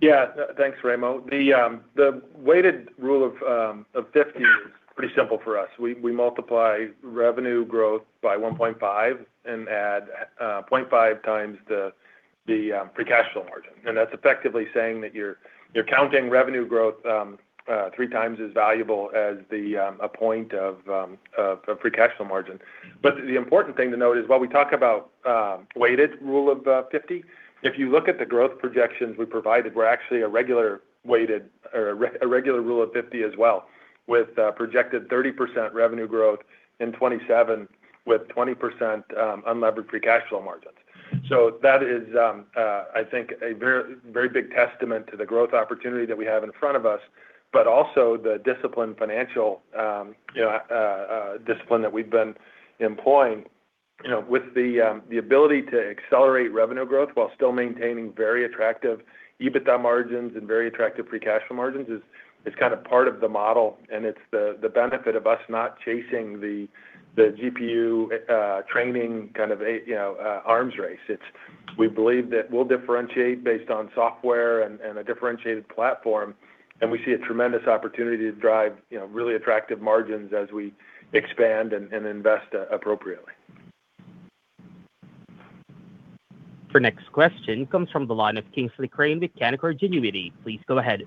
Yeah. Thanks, Raimo. The weighted Rule of 50 is pretty simple for us. We multiply revenue growth by 1.5x and add 0.5x the free cash flow margin. That's effectively saying that you're counting revenue growth 3x as valuable as a point of free cash flow margin. The important thing to note is, while we talk about weighted Rule of 50, if you look at the growth projections we provided, we're actually a regular Rule of 50 as well, with projected 30% revenue growth in 2027, with 20% unlevered free cash flow margins. That is, I think, a very, very big testament to the growth opportunity that we have in front of us, but also the disciplined financial discipline that we've been employing. You know, with the ability to accelerate revenue growth while still maintaining very attractive EBITDA margins and very attractive free cash flow margins is kind of part of the model, and it's the benefit of us not chasing the GPU training, kind of a, you know, arms race. We believe that we'll differentiate based on software and a differentiated platform, and we see a tremendous opportunity to drive, you know, really attractive margins as we expand and invest appropriately. The next question comes from the line of Kingsley Crane with Canaccord Genuity. Please go ahead.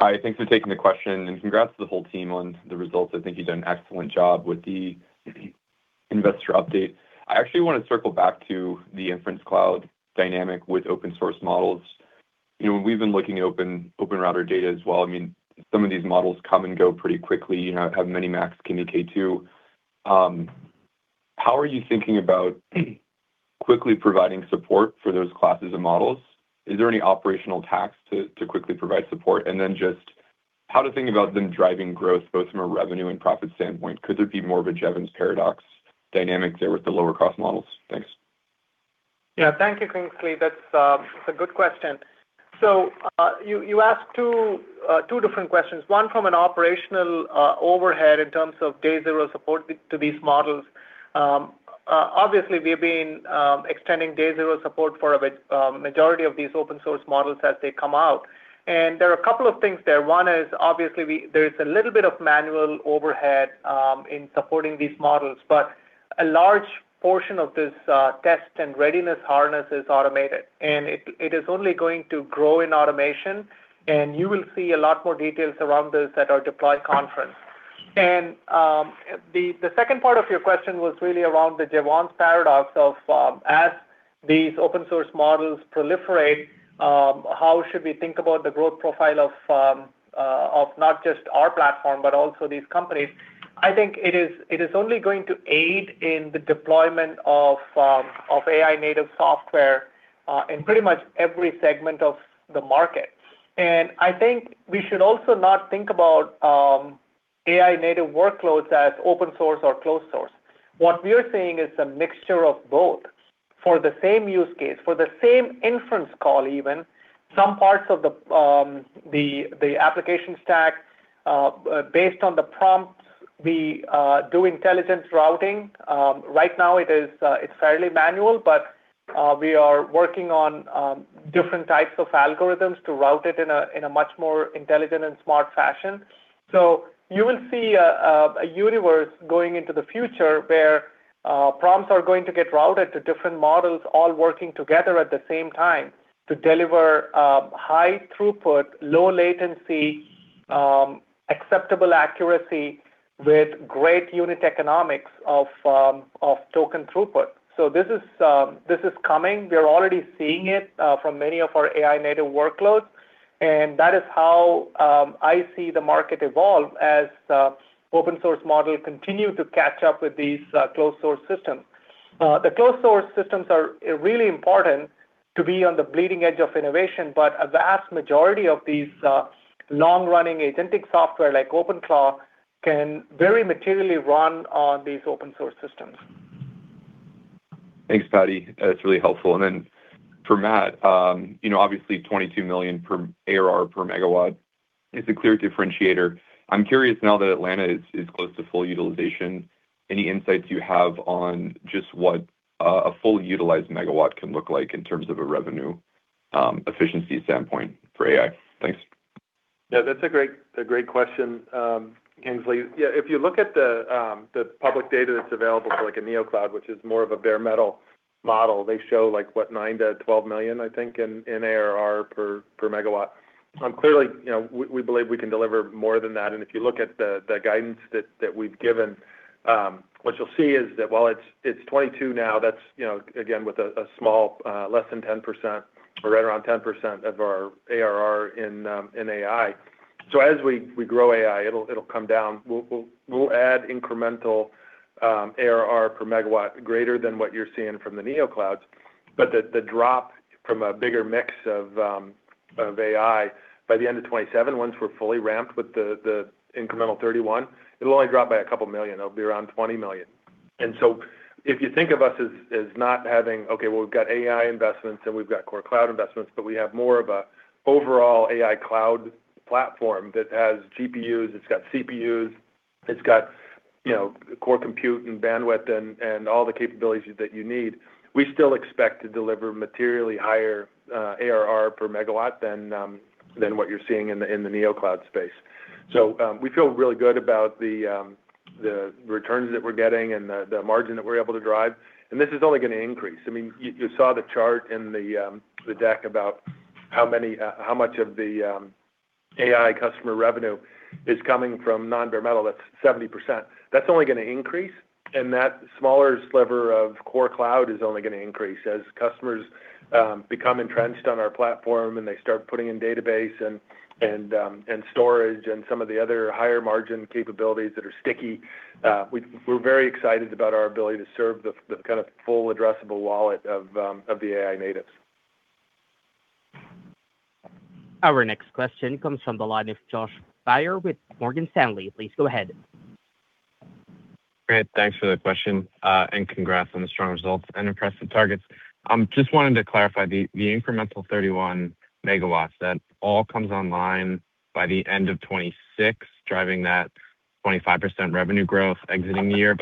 Hi, thanks for taking the question. Congrats to the whole team on the results. I think you've done an excellent job with the investor update. I actually want to circle back to the inference cloud dynamic with open-source models. You know, when we've been looking at OpenRouter data as well, I mean, some of these models come and go pretty quickly. You know, how many max can you K2? How are you thinking about quickly providing support for those classes of models? Is there any operational tax to quickly provide support? Just how to think about them driving growth, both from a revenue and profit standpoint, could there be more of a Jevons paradox dynamic there with the lower cost models? Thanks. Yeah. Thank you, Kingsley. That's a good question. You asked two different questions, one from an operational overhead in terms of day zero support to these models. Obviously, we've been extending day zero support for a majority of these open-source models as they come out. There are a couple of things there. One is, obviously, there is a little bit of manual overhead in supporting these models, but a large portion of this test and readiness harness is automated, and it is only going to grow in automation, and you will see a lot more details around this at our Deploy conference. The second part of your question was really around the Jevons paradox of as these open-source models proliferate, how should we think about the growth profile of not just our platform, but also these companies? I think it is only going to aid in the deployment of AI-native software in pretty much every segment of the market. I think we should also not think about AI-native workloads as open source or closed source. What we are seeing is a mixture of both for the same use case, for the same inference call even, some parts of the application stack, based on the prompts, we do intelligence routing. Right now, it is, it's fairly manual, but we are working on different types of algorithms to route it in a, in a much more intelligent and smart fashion. You will see a, a universe going into the future where prompts are going to get routed to different models, all working together at the same time to deliver high throughput, low latency, acceptable accuracy with great unit economics of token throughput. This is, this is coming. We're already seeing it from many of our AI-native workloads, and that is how I see the market evolve as the open-source model continue to catch up with these closed source systems. The closed source systems are really important to be on the bleeding edge of innovation. A vast majority of these long-running authentic software, like OpenClaw, can very materially run on these open-source systems. Thanks, Paddy. That's really helpful. Then for Matt, you know, obviously, $22 million per ARR per megawatt is a clear differentiator. I'm curious now that Atlanta is close to full utilization, any insights you have on just what a full utilized megawatt can look like in terms of a revenue efficiency standpoint for AI? Thanks. That's a great question, Kingsley. If you look at the public data that's available for, like, a neocloud, which is more of a bare metal model, they show, like, what? $9 million-$12 million, I think, in ARR per megawatt. Clearly, you know, we believe we can deliver more than that, and if you look at the guidance that we've given, what you'll see is that while it's $22 million now, that's, you know, again, with a small, less than 10% or right around 10% of our ARR in AI. As we grow AI, it'll come down. We'll add incremental ARR per megawatt greater than what you're seeing from the neoclouds, but the drop from a bigger mix of AI by the end of 2027, once we're fully ramped with the incremental 31 MW, it'll only drop by a couple of million. It'll be around $20 million. If you think of us as not having, okay, well, we've got AI investments, and we've got core cloud investments, but we have more of an overall AI cloud platform that has GPUs, it's got CPUs, it's got, you know, core compute and bandwidth and all the capabilities that you need. We still expect to deliver materially higher ARR per megawatt than what you're seeing in the neocloud space. We feel really good about the returns that we're getting and the margin that we're able to drive. This is only gonna increase. I mean, you saw the chart in the deck about how many, how much of the AI customer revenue is coming from non-bare metal, that's 70%. That's only gonna increase. That smaller sliver of core cloud is only gonna increase as customers become entrenched on our platform, they start putting in database and storage and some of the other higher margin capabilities that are sticky. We're very excited about our ability to serve the kind of full addressable wallet of the AI natives. Our next question comes from the line of Josh Baer with Morgan Stanley. Please go ahead. Great. Thanks for the question, and congrats on the strong results and impressive targets. I'm just wanting to clarify the incremental 31 MW, that all comes online by the end of 2026, driving 25% revenue growth exiting the year,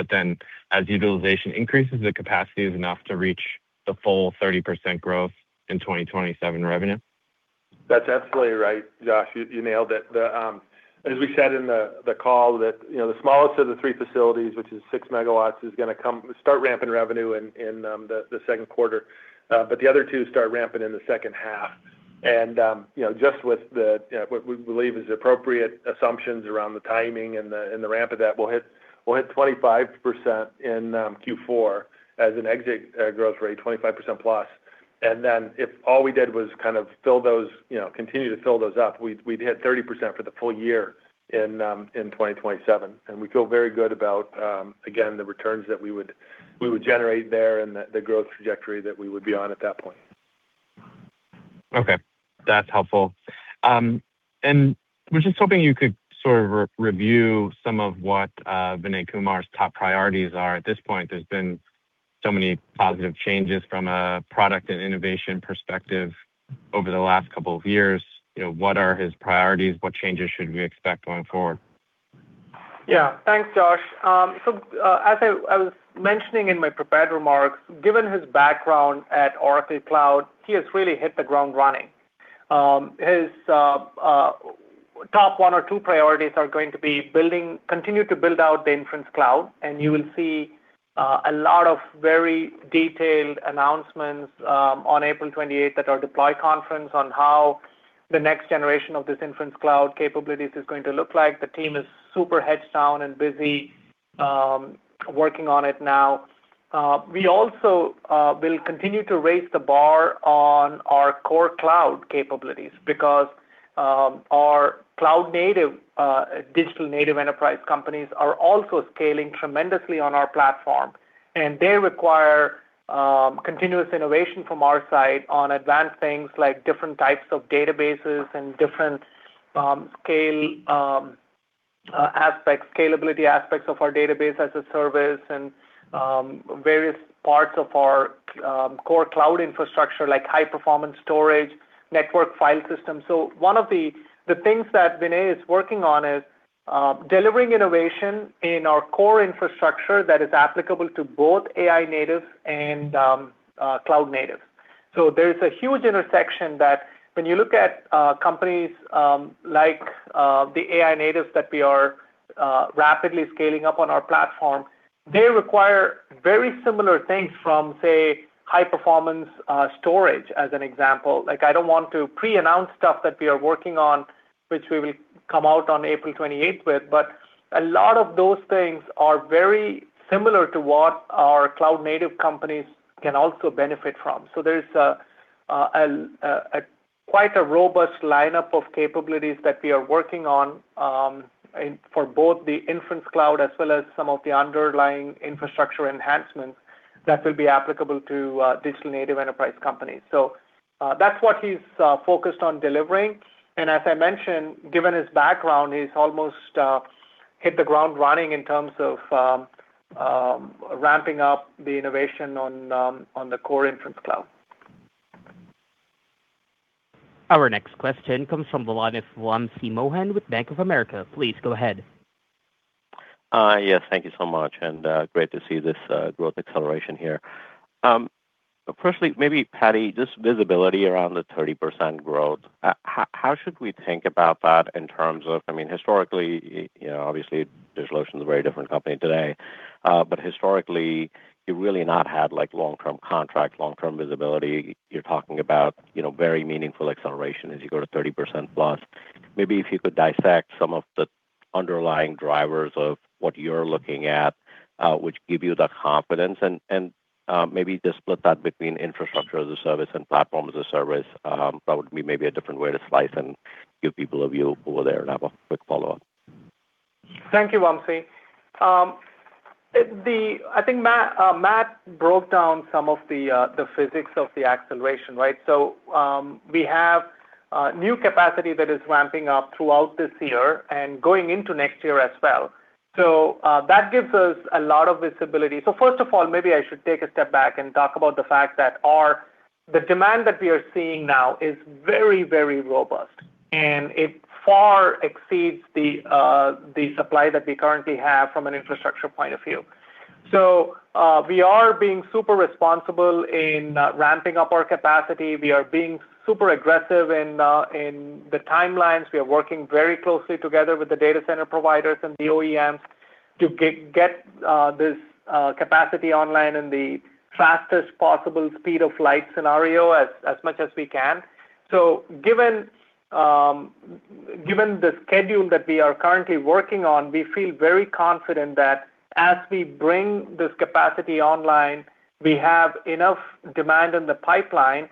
as utilization increases, the capacity is enough to reach the full 30% growth in 2027 revenue? That's absolutely right, Josh. You nailed it. The as we said in the call, that, you know, the smallest of the three facilities, which is 6 MW, is gonna start ramping revenue in the second quarter. The other two start ramping in the second half. You know, just with the what we believe is appropriate assumptions around the timing and the and the ramp of that, we'll hit 25% in Q4 as an exit growth rate, 25%+. If all we did was kind of fill those, you know, continue to fill those up, we'd hit 30% for the full year in 2027. We feel very good about, again, the returns that we would generate there and the growth trajectory that we would be on at that point. Okay, that's helpful. Was just hoping you could sort of review some of what Vinay Kumar's top priorities are at this point. There's been so many positive changes from a product and innovation perspective over the last couple of years. You know, what are his priorities? What changes should we expect going forward? Thanks, Josh. As I was mentioning in my prepared remarks, given his background at Oracle Cloud, he has really hit the ground running. His top one or two priorities are going to be continue to build out the inference cloud. You will see a lot of very detailed announcements on April 28, at our Deploy conference, on how the next generation of this inference cloud capabilities is going to look like. The team is super heads down and busy working on it now. We also will continue to raise the bar on our core cloud capabilities because our cloud-native Digital Native Enterprise companies are also scaling tremendously on our platform, and they require continuous innovation from our side on advanced things like different types of databases and different scale aspects, scalability aspects of our database as a service and various parts of our core cloud infrastructure, like high-performance storage, network file system. One of the things that Vinay is working on is delivering innovation in our core infrastructure that is applicable to both AI native and cloud native. There is a huge intersection that when you look at companies like the AI natives that we are rapidly scaling up on our platform, they require very similar things from, say, high-performance storage, as an example. I don't want to preannounce stuff that we are working on, which we will come out on April 28 with, but a lot of those things are very similar to what our cloud-native companies can also benefit from. There's a quite a robust lineup of capabilities that we are working on, and for both the inference cloud as well as some of the underlying infrastructure enhancements that will be applicable to Digital Native Enterprise companies. That's what he's focused on delivering, and as I mentioned, given his background, he's almost hit the ground running in terms of ramping up the innovation on the core inference cloud. Our next question comes from the line of Wamsi Mohan with Bank of America. Please go ahead. Yes. Thank you so much, and great to see this growth acceleration here. Firstly, maybe, Paddy, just visibility around the 30% growth. How should we think about that in terms of... I mean, historically, you know, obviously, DigitalOcean is a very different company today, but historically, you've really not had, like, long-term contracts, long-term visibility. You're talking about, you know, very meaningful acceleration as you go to 30%+. Maybe if you could dissect some of the underlying drivers of what you're looking at, which give you the confidence and maybe just split that between infrastructure as a service and platform as a service. That would be maybe a different way to slice and give people a view over there. I have a quick follow-up. Thank you, Wamsi. I think Matt broke down some of the physics of the acceleration, right? We have new capacity that is ramping up throughout this year and going into next year as well. That gives us a lot of visibility. First of all, maybe I should take a step back and talk about the fact that the demand that we are seeing now is very, very robust, and it far exceeds the supply that we currently have from an infrastructure point of view. We are being super responsible in ramping up our capacity. We are being super aggressive in the timelines. We are working very closely together with the data center providers and the OEMs to get this capacity online in the fastest possible speed of light scenario as much as we can. Given the schedule that we are currently working on, we feel very confident that as we bring this capacity online, we have enough demand in the pipeline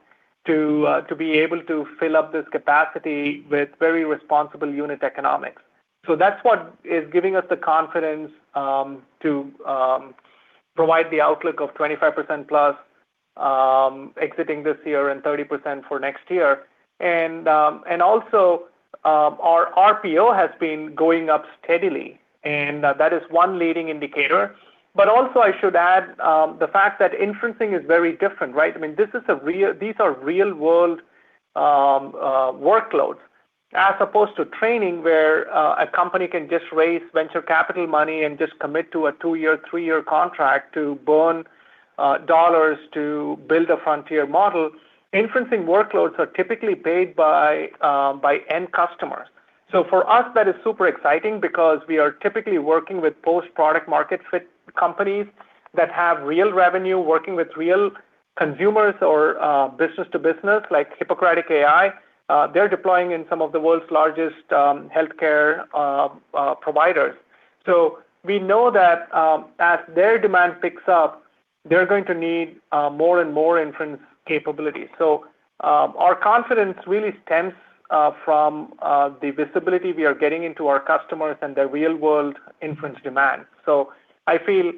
to be able to fill up this capacity with very responsible unit economics. That's what is giving us the confidence to provide the outlook of 25%+ exiting this year and 30% for next year. Also, our RPO has been going up steadily, and that is one leading indicator. Also, I should add, the fact that inferencing is very different, right? I mean, these are real-world... Workloads as opposed to training, where a company can just raise venture capital money and just commit to a two-year, three-year contract to burn dollars to build a frontier model. Inferencing workloads are typically paid by end customers. For us, that is super exciting because we are typically working with post-product market fit companies that have real revenue, working with real consumers or business to business, like Hippocratic AI. They're deploying in some of the world's largest healthcare providers. We know that as their demand picks up, they're going to need more and more inference capabilities. Our confidence really stems from the visibility we are getting into our customers and their real-world inference demand. I feel,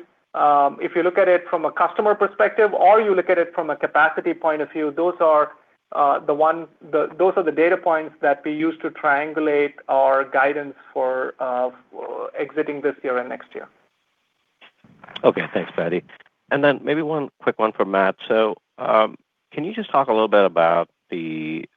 if you look at it from a customer perspective or you look at it from a capacity point of view, those are the data points that we use to triangulate our guidance for exiting this year and next year. Okay. Thanks, Paddy. Maybe one quick one for Matt. Can you just talk a little bit about the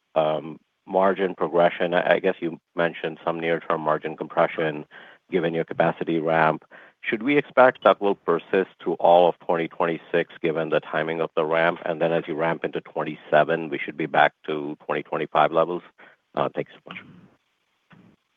margin progression? I guess you mentioned some near-term margin progression given your capacity ramp. Should we expect that will persist through all of 2026, given the timing of the ramp, and then as you ramp into 2027, we should be back to 2025 levels? Thanks so much.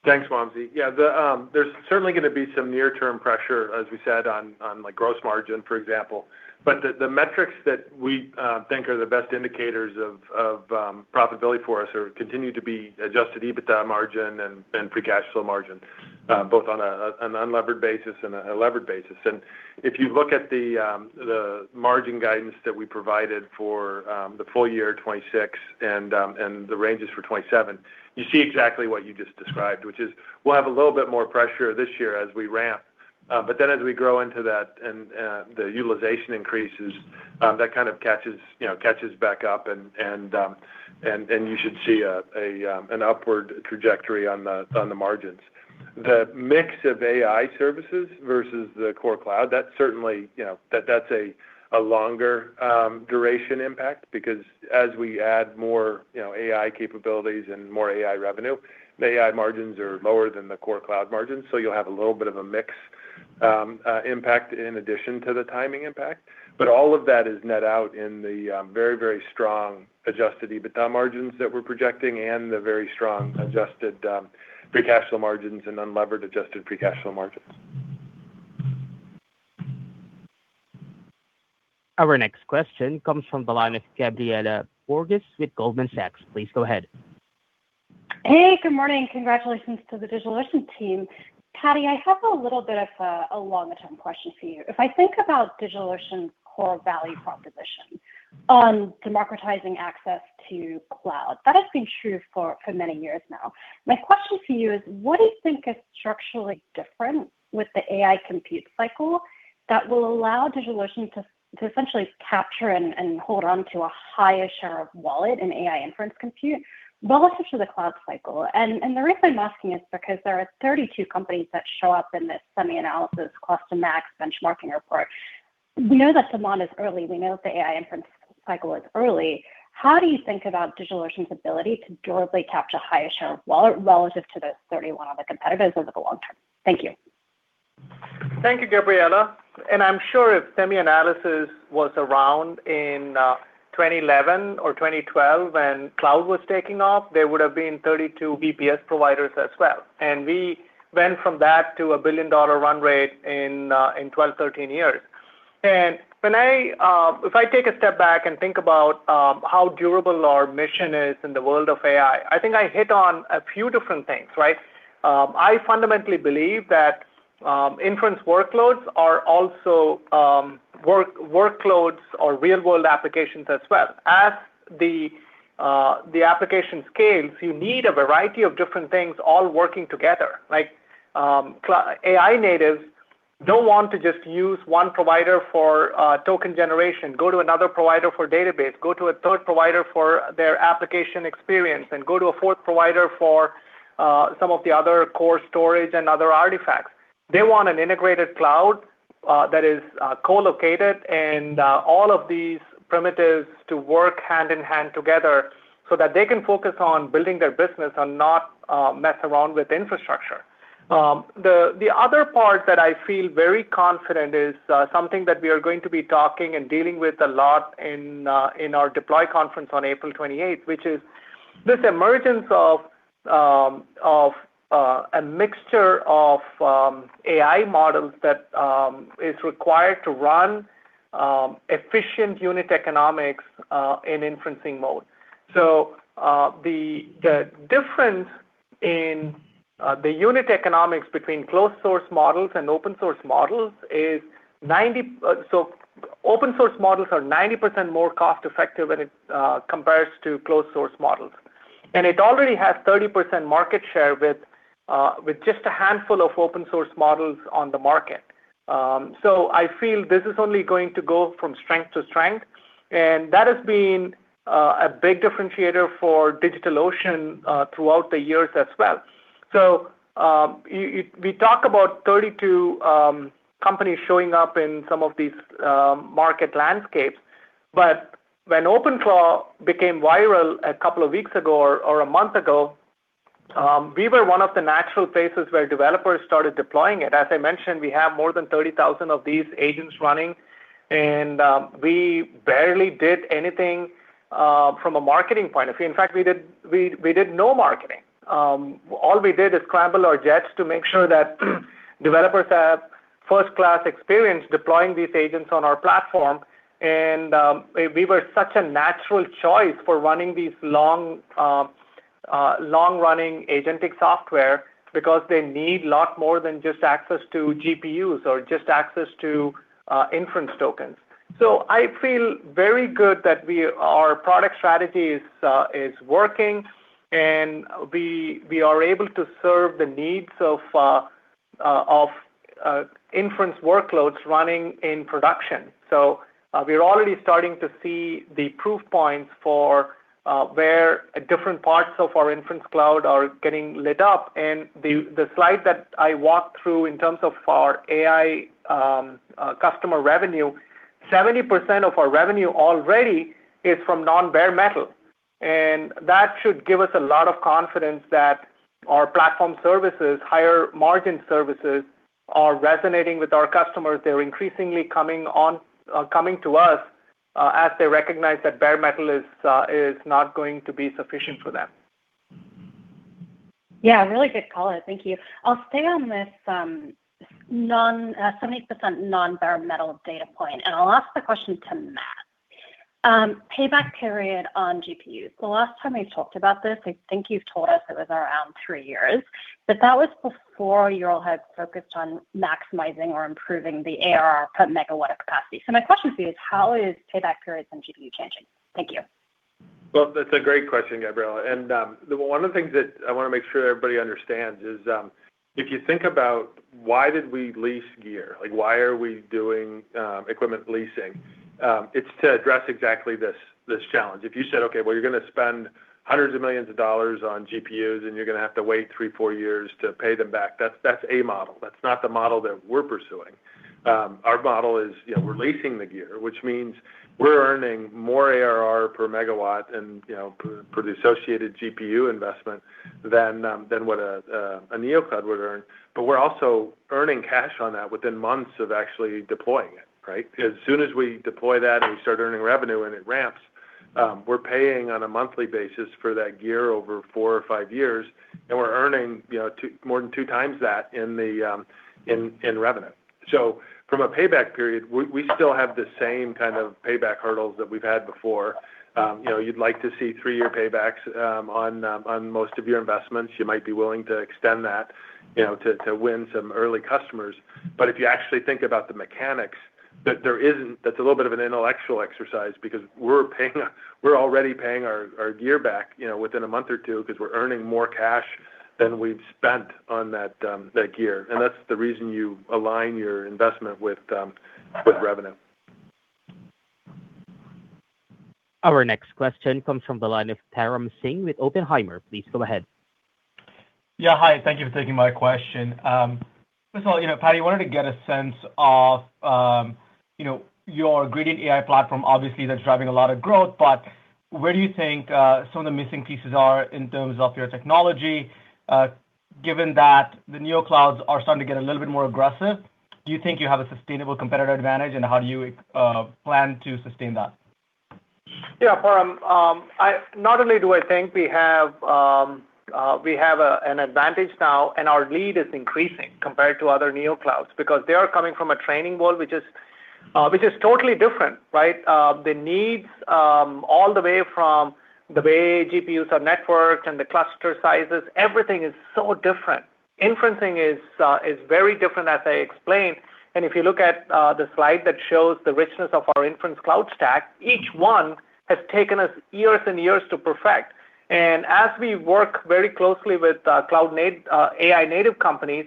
Thanks, Wamsi. Yeah, the, there's certainly going to be some near-term pressure, as we said, on, like, gross margin, for example. The metrics that we think are the best indicators of profitability for us continue to be adjusted EBITDA margin and free cash flow margin, both on an unlevered basis and a levered basis. If you look at the margin guidance that we provided for the full-year 2026 and the ranges for 2027, you see exactly what you just described, which is we'll have a little bit more pressure this year as we ramp. As we grow into that and the utilization increases, that kind of catches, you know, back up and you should see an upward trajectory on the margins. The mix of AI services versus the core cloud, that's certainly, you know, that's a longer duration impact because as we add more, you know, AI capabilities and more AI revenue, the AI margins are lower than the core cloud margins, so you'll have a little bit of a mix impact in addition to the timing impact. All of that is net out in the very, very strong adjusted EBITDA margins that we're projecting and the very strong adjusted free cash flow margins and unlevered adjusted free cash flow margins. Our next question comes from the line of Gabriela Borges with Goldman Sachs. Please go ahead. Hey, good morning. Congratulations to the DigitalOcean team. Paddy, I have a longer-term question for you. If I think about DigitalOcean's core value proposition on democratizing access to cloud, that has been true for many years now. My question to you is: what do you think is structurally different with the AI compute cycle that will allow DigitalOcean to essentially capture and hold on to a higher share of wallet in AI inference compute relative to the cloud cycle? The reason I'm asking is because there are 32 companies that show up in this SemiAnalysis Cost and Max Benchmarking Report. We know that demand is early. We know that the AI inference cycle is early. How do you think about DigitalOcean's ability to durably capture a higher share of wallet relative to the 31 other competitors over the long term? Thank you. Thank you, Gabriela. I'm sure if SemiAnalysis was around in 2011 or 2012, when cloud was taking off, there would have been 32 VPS providers as well. We went from that to a billion-dollar run rate in 12, 13 years. When I take a step back and think about how durable our mission is in the world of AI, I think I hit on a few different things, right? I fundamentally believe that inference workloads are also workloads or real-world applications as well. As the application scales, you need a variety of different things all working together. Like, AI natives don't want to just use one provider for token generation, go to another provider for database, go to a third provider for their application experience, and go to a fourth provider for some of the other core storage and other artifacts. They want an integrated cloud that is colocated, and all of these primitives to work hand in hand together so that they can focus on building their business and not mess around with infrastructure. The other part that I feel very confident is something that we are going to be talking and dealing with a lot in our Deploy conference on April 28, which is this emergence of a mixture of AI models that is required to run efficient unit economics in inferencing mode. The, the difference in the unit economics between closed source models and open-source models is 90% more cost effective than it compares to closed source models. It already has 30% market share with just a handful of open-source models on the market. I feel this is only going to go from strength to strength, and that has been a big differentiator for DigitalOcean throughout the years as well. You, you, we talk about 32 companies showing up in some of these market landscapes, but when OpenClaw became viral a couple of weeks ago or a month ago, we were one of the natural places where developers started deploying it. As I mentioned, we have more than 30,000 of these agents running, and we barely did anything from a marketing point of view. In fact, we did no marketing. All we did is scramble our jets to make sure that developers have first-class experience deploying these agents on our platform, and we were such a natural choice for running these long-running agentic software because they need lot more than just access to GPUs or just access to inference tokens. I feel very good that our product strategy is working, and we are able to serve the needs of inference workloads running in production. We're already starting to see the proof points for where different parts of our inference cloud are getting lit up. The slide that I walked through in terms of our AI customer revenue, 70% of our revenue already is from non-bare metal, and that should give us a lot of confidence that our platform services, higher margin services, are resonating with our customers. They're increasingly coming on, coming to us, as they recognize that bare metal is not going to be sufficient for them. Yeah, really good color. Thank you. I'll stay on this 70% non-bare metal data point, and I'll ask the question to Matt. Payback period on GPUs. The last time we talked about this, I think you've told us it was around three years, but that was before you all had focused on maximizing or improving the ARR per megawatt of capacity. My question to you is, how is payback periods on GPU changing? Thank you. Well, that's a great question, Gabriela. One of the things that I wanna make sure everybody understands is, if you think about why did we lease gear? Like, why are we doing equipment leasing? It's to address exactly this challenge. If you said, "Okay, well, you're gonna spend hundreds of millions of dollars on GPUs, and you're gonna have to wait three to four years to pay them back," that's a model. That's not the model that we're pursuing. Our model is, you know, we're leasing the gear, which means we're earning more ARR per megawatt and, you know, per the associated GPU investment than what a neocloud would earn. We're also earning cash on that within months of actually deploying it, right? As soon as we deploy that and we start earning revenue and it ramps, we're paying on a monthly basis for that gear over four or five years, and we're earning, you know, more than 2x that in revenue. From a payback period, we still have the same kind of payback hurdles that we've had before. You know, you'd like to see three-year paybacks on most of your investments. You might be willing to extend that, you know, to win some early customers. If you actually think about the mechanics, that's a little bit of an intellectual exercise because we're already paying our gear back, you know, within a month or two, because we're earning more cash than we've spent on that gear. That's the reason you align your investment with revenue. Our next question comes from the line of Param Singh with Oppenheimer. Please go ahead. Yeah. Hi, thank you for taking my question. First of all, you know, Paddy, I wanted to get a sense of, you know, your Gradient AI Platform. Obviously, that's driving a lot of growth, but where do you think some of the missing pieces are in terms of your technology, given that the neoclouds are starting to get a little bit more aggressive, do you think you have a sustainable competitive advantage, and how do you plan to sustain that? Yeah. Param, not only do I think we have an advantage now, and our lead is increasing compared to other neoclouds, because they are coming from a training world, which is totally different, right? The needs, all the way from the way GPUs are networked and the cluster sizes, everything is so different. Inferencing is very different, as I explained. If you look at the slide that shows the richness of our inference cloud stack, each one has taken us years and years to perfect. As we work very closely with cloud-native, AI-native companies,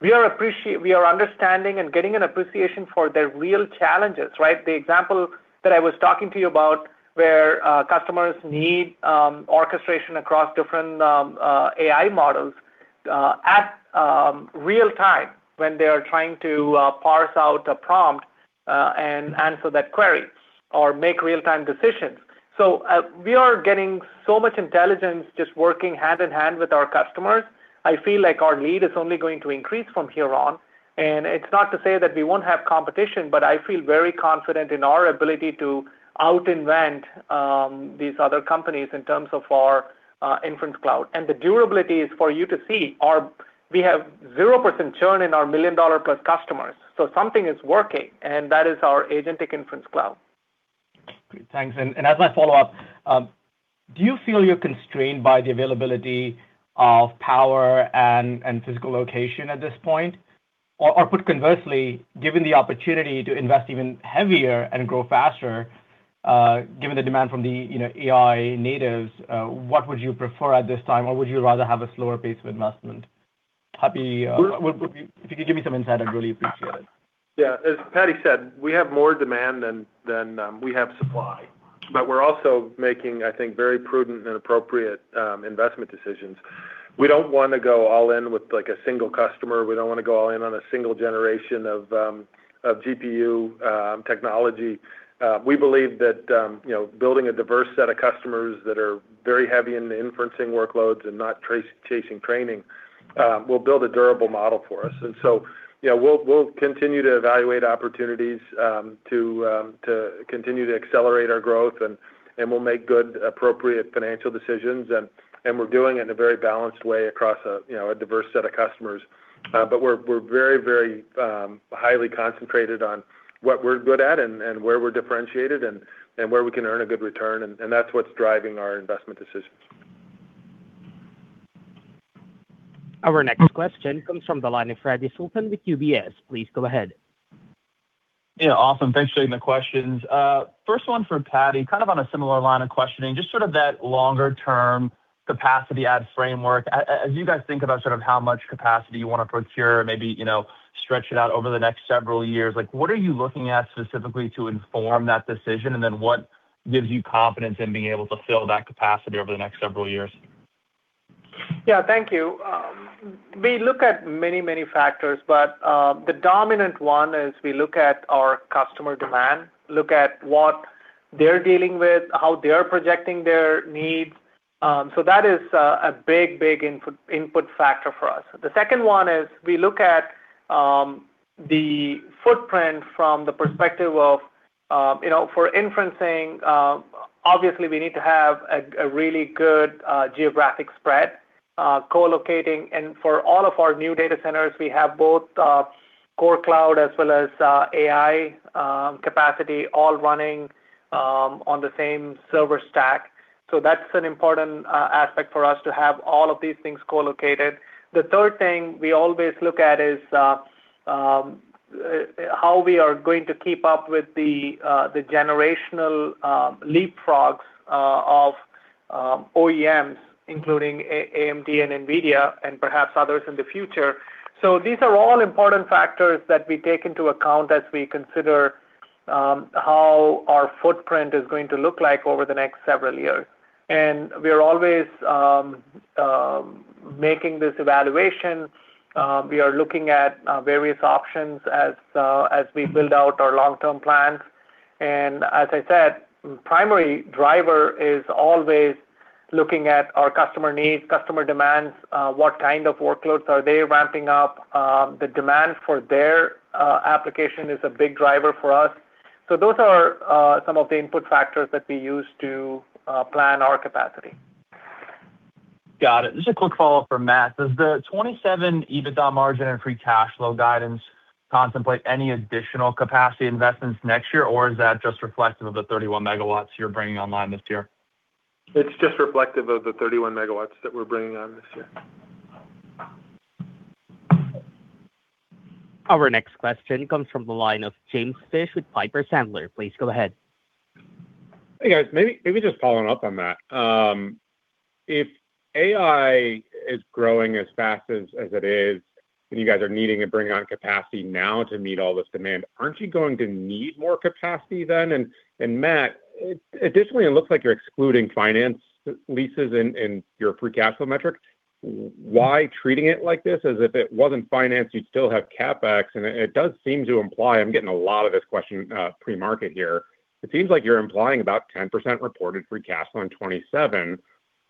we are understanding and getting an appreciation for their real challenges, right? The example that I was talking to you about, where customers need orchestration across different AI models at real-time when they are trying to parse out a prompt and answer that query or make real-time decisions. We are getting so much intelligence just working hand in hand with our customers. I feel like our lead is only going to increase from here on, and it's not to say that we won't have competition, but I feel very confident in our ability to out-invent these other companies in terms of our inference cloud. The durability is for you to see, we have 0% churn in our million-dollar plus customers, so something is working, and that is our Agentic Inference Cloud. Great. Thanks. As my follow-up, do you feel you're constrained by the availability of power and physical location at this point? Or put conversely, given the opportunity to invest even heavier and grow faster, given the demand from the, you know, AI natives, what would you prefer at this time, or would you rather have a slower pace of investment? If you could give me some insight, I'd really appreciate it. Yeah. As Paddy said, we have more demand than we have supply. We're also making, I think, very prudent and appropriate investment decisions. We don't wanna go all in with, like, a single customer. We don't wanna go all in on a single generation of GPU technology. We believe that, you know, building a diverse set of customers that are very heavy in the inferencing workloads and not chasing training, will build a durable model for us. Yeah, we'll continue to evaluate opportunities to continue to accelerate our growth, and we'll make good, appropriate financial decisions. And we're doing it in a very balanced way across a, you know, a diverse set of customers. We're very highly concentrated on what we're good at and where we're differentiated and where we can earn a good return, and that's what's driving our investment decisions. Our next question comes from the line of Radi Sultan with UBS. Please go ahead. Yeah, awesome. Thanks for taking the questions. First one for Paddy, kind of on a similar line of questioning, just sort of that longer-term capacity add framework. As you guys think about sort of how much capacity you wanna procure, maybe, you know, stretch it out over the next several years, like, what are you looking at specifically to inform that decision? What gives you confidence in being able to fill that capacity over the next several years? Yeah, thank you. We look at many, many factors, but the dominant one is we look at our customer demand, look at what they're dealing with, how they're projecting their needs. That is a big input factor for us. The second one is we look at the footprint from the perspective of, you know, for inferencing, obviously, we need to have a really good geographic spread, colocating. For all of our new data centers, we have both core cloud as well as AI capacity, all running on the same server stack. That's an important aspect for us to have all of these things colocated. The third thing we always look at is how we are going to keep up with the generational leapfrogs of OEMs, including AMD and NVIDIA, and perhaps others in the future. These are all important factors that we take into account as we consider how our footprint is going to look like over the next several years. We are always making this evaluation. We are looking at various options as we build out our long-term plans. As I said, primary driver is always looking at our customer needs, customer demands, what kind of workloads are they ramping up? The demand for their application is a big driver for us. Those are some of the input factors that we use to plan our capacity. Got it. Just a quick follow-up for Matt. Does the 2027 EBITDA margin and free cash flow guidance contemplate any additional capacity investments next year, or is that just reflective of the 31 MW you're bringing online this year? It's just reflective of the 31 MW that we're bringing on this year. Our next question comes from the line of James Fish with Piper Sandler. Please go ahead. Hey, guys. Maybe just following up on that. If AI is growing as fast as it is, you guys are needing to bring on capacity now to meet all this demand, aren't you going to need more capacity then? Matt, additionally, it looks like you're excluding finance leases in your free cash flow metric. Why treating it like this? As if it wasn't financed, you'd still have CapEx. It does seem to imply... I'm getting a lot of this question pre-market here. It seems like you're implying about 10% reported free cash flow on 2027.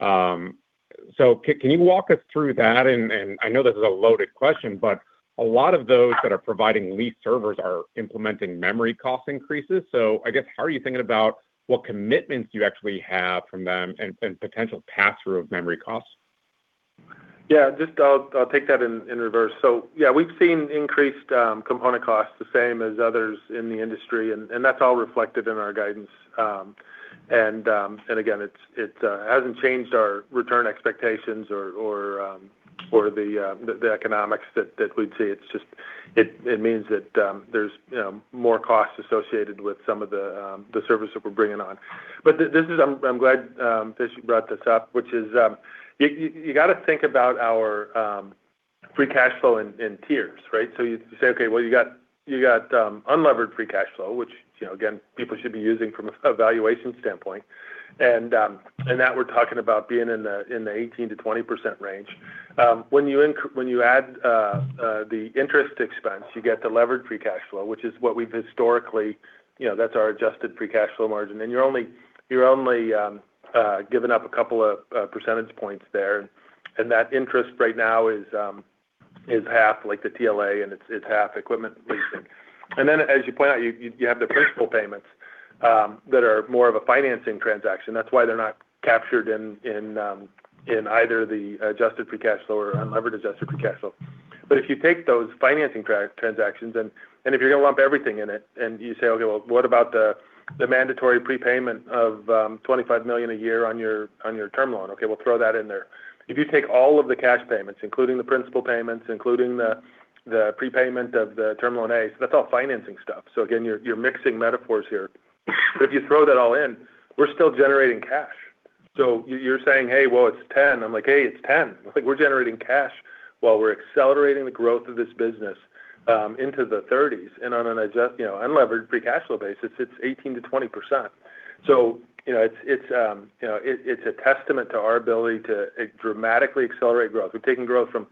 Can you walk us through that? I know this is a loaded question, but a lot of those that are providing lease servers are implementing memory cost increases. I guess, how are you thinking about what commitments you actually have from them and potential pass-through of memory costs? Yeah, just I'll take that in reverse. Yeah, we've seen increased component costs, the same as others in the industry, and that's all reflected in our guidance. And again, it hasn't changed our return expectations or the economics that we'd see. It just means that there's more costs associated with some of the service that we're bringing on. But this is, I'm glad, Fish, you brought this up, which is, you gotta think about our free cash flow in tiers, right? You say, okay, well, you got unlevered free cash flow, which, you know, again, people should be using from a valuation standpoint. That we're talking about being in the 18%-20% range. When you add the interest expense, you get the levered free cash flow, which is what we've historically, you know, that's our adjusted free cash flow margin. You're only giving up a couple of percentage points there, and that interest right now is half, like, the TLA, and it's half equipment leasing. Then, as you point out, you have the principal payments that are more of a financing transaction. That's why they're not captured in either the adjusted free cash flow or unlevered adjusted free cash flow. If you take those financing transactions and if you're going to lump everything in it, and you say, "Okay, well, what about the mandatory prepayment of $25 million a year on your, on your term loan?" Okay, we'll throw that in there. If you take all of the cash payments, including the principal payments, including the prepayment of the Term Loan A, that's all financing stuff. Again, you're mixing metaphors here. If you throw that all in, we're still generating cash. You're saying, "Hey, well, it's 10%." I'm like, "Hey, it's 10%." Like, we're generating cash while we're accelerating the growth of this business into the 30s. And on an adjusted, you know, unlevered free cash flow basis, it's 18%-20%. You know, it's, you know, it's a testament to our ability to dramatically accelerate growth. We've taken growth from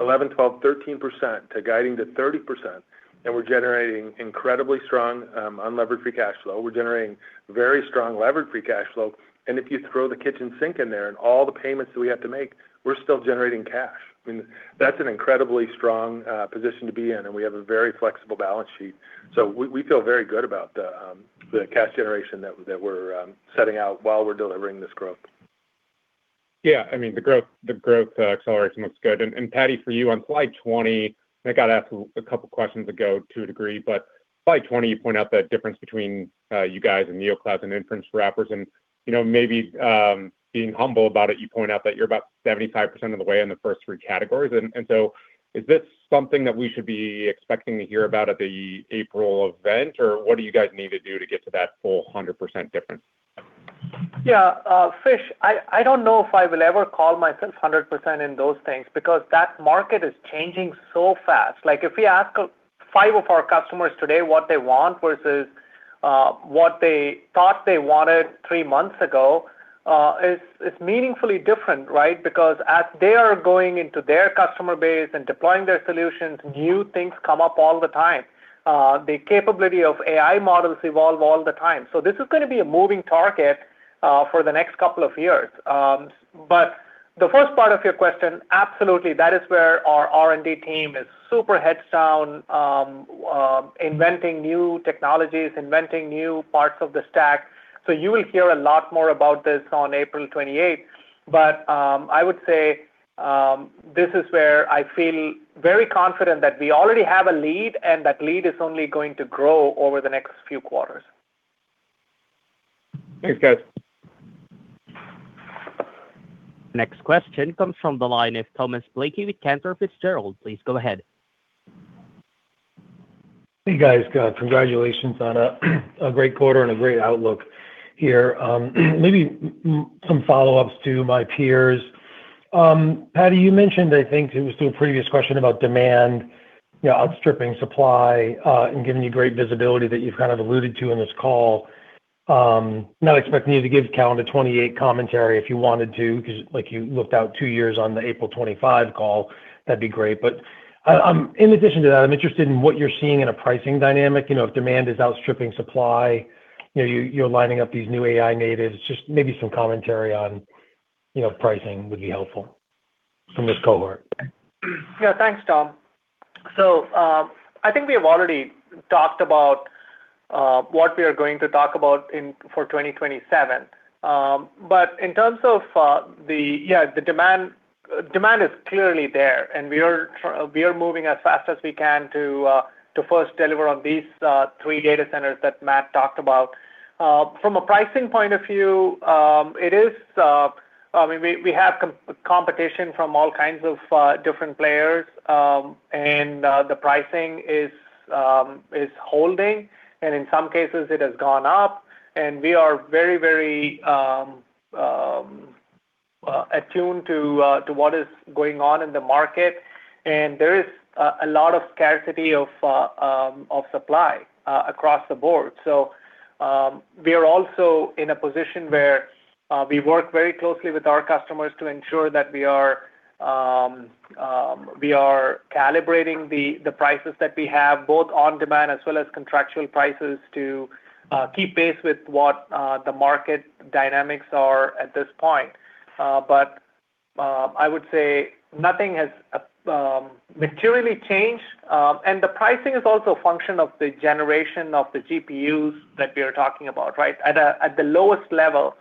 11%, 12%, 13% to guiding to 30%, and we're generating incredibly strong unlevered free cash flow. We're generating very strong levered free cash flow, and if you throw the kitchen sink in there and all the payments that we have to make, we're still generating cash. I mean, that's an incredibly strong position to be in, and we have a very flexible balance sheet. We feel very good about the cash generation that we're setting out while we're delivering this growth. Yeah. I mean, the growth, the growth acceleration looks good. Paddy, for you on slide 20, I got to ask a couple questions ago to a degree, but slide 20, you point out that difference between you guys and neoclouds and inference wrappers. You know, maybe, being humble about it, you point out that you're about 75% of the way in the first three categories. Is this something that we should be expecting to hear about at the April event, or what do you guys need to do to get to that full 100% difference? Fish, I don't know if I will ever call myself 100% in those things, that market is changing so fast. If we ask five of our customers today what they want versus what they thought they wanted three months ago, it's meaningfully different, right? Because as they are going into their customer base and deploying their solutions, new things come up all the time. The capability of AI models evolve all the time. This is gonna be a moving target for the next couple of years. The first part of your question, absolutely. That is where our R&D team is super heads down, inventing new technologies, inventing new parts of the stack. You will hear a lot more about this on April 28. I would say, this is where I feel very confident that we already have a lead, and that lead is only going to grow over the next few quarters. Thanks, guys. Next question comes from the line of Thomas Blakey with Cantor Fitzgerald. Please go ahead. Hey, guys. Congratulations on a great quarter and a great outlook here. Maybe some follow-ups to my peers. Paddy, you mentioned, I think it was to a previous question about demand, you know, outstripping supply, and giving you great visibility that you've kind of alluded to in this call. Not expecting you to give calendar 2028 commentary if you wanted to, because, like, you looked out two years on the April 2025 call, that'd be great. In addition to that, I'm interested in what you're seeing in a pricing dynamic. You know, if demand is outstripping supply, you know, you're lining up these new AI natives, just maybe some commentary on, you know, pricing would be helpful from this cohort. Thanks, Tom. I think we have already talked about what we are going to talk about for 2027. In terms of the demand is clearly there, we are moving as fast as we can to first deliver on these three data centers that Matt talked about. From a pricing point of view, it is, I mean, we have competition from all kinds of different players, the pricing is holding, in some cases it has gone up, we are very, very attuned to what is going on in the market. There is a lot of scarcity of supply across the board. We are also in a position where we work very closely with our customers to ensure that we are calibrating the prices that we have, both on demand as well as contractual prices to keep pace with what the market dynamics are at this point. I would say nothing has materially changed, and the pricing is also a function of the generation of the GPUs that we are talking about, right? At the lowest level,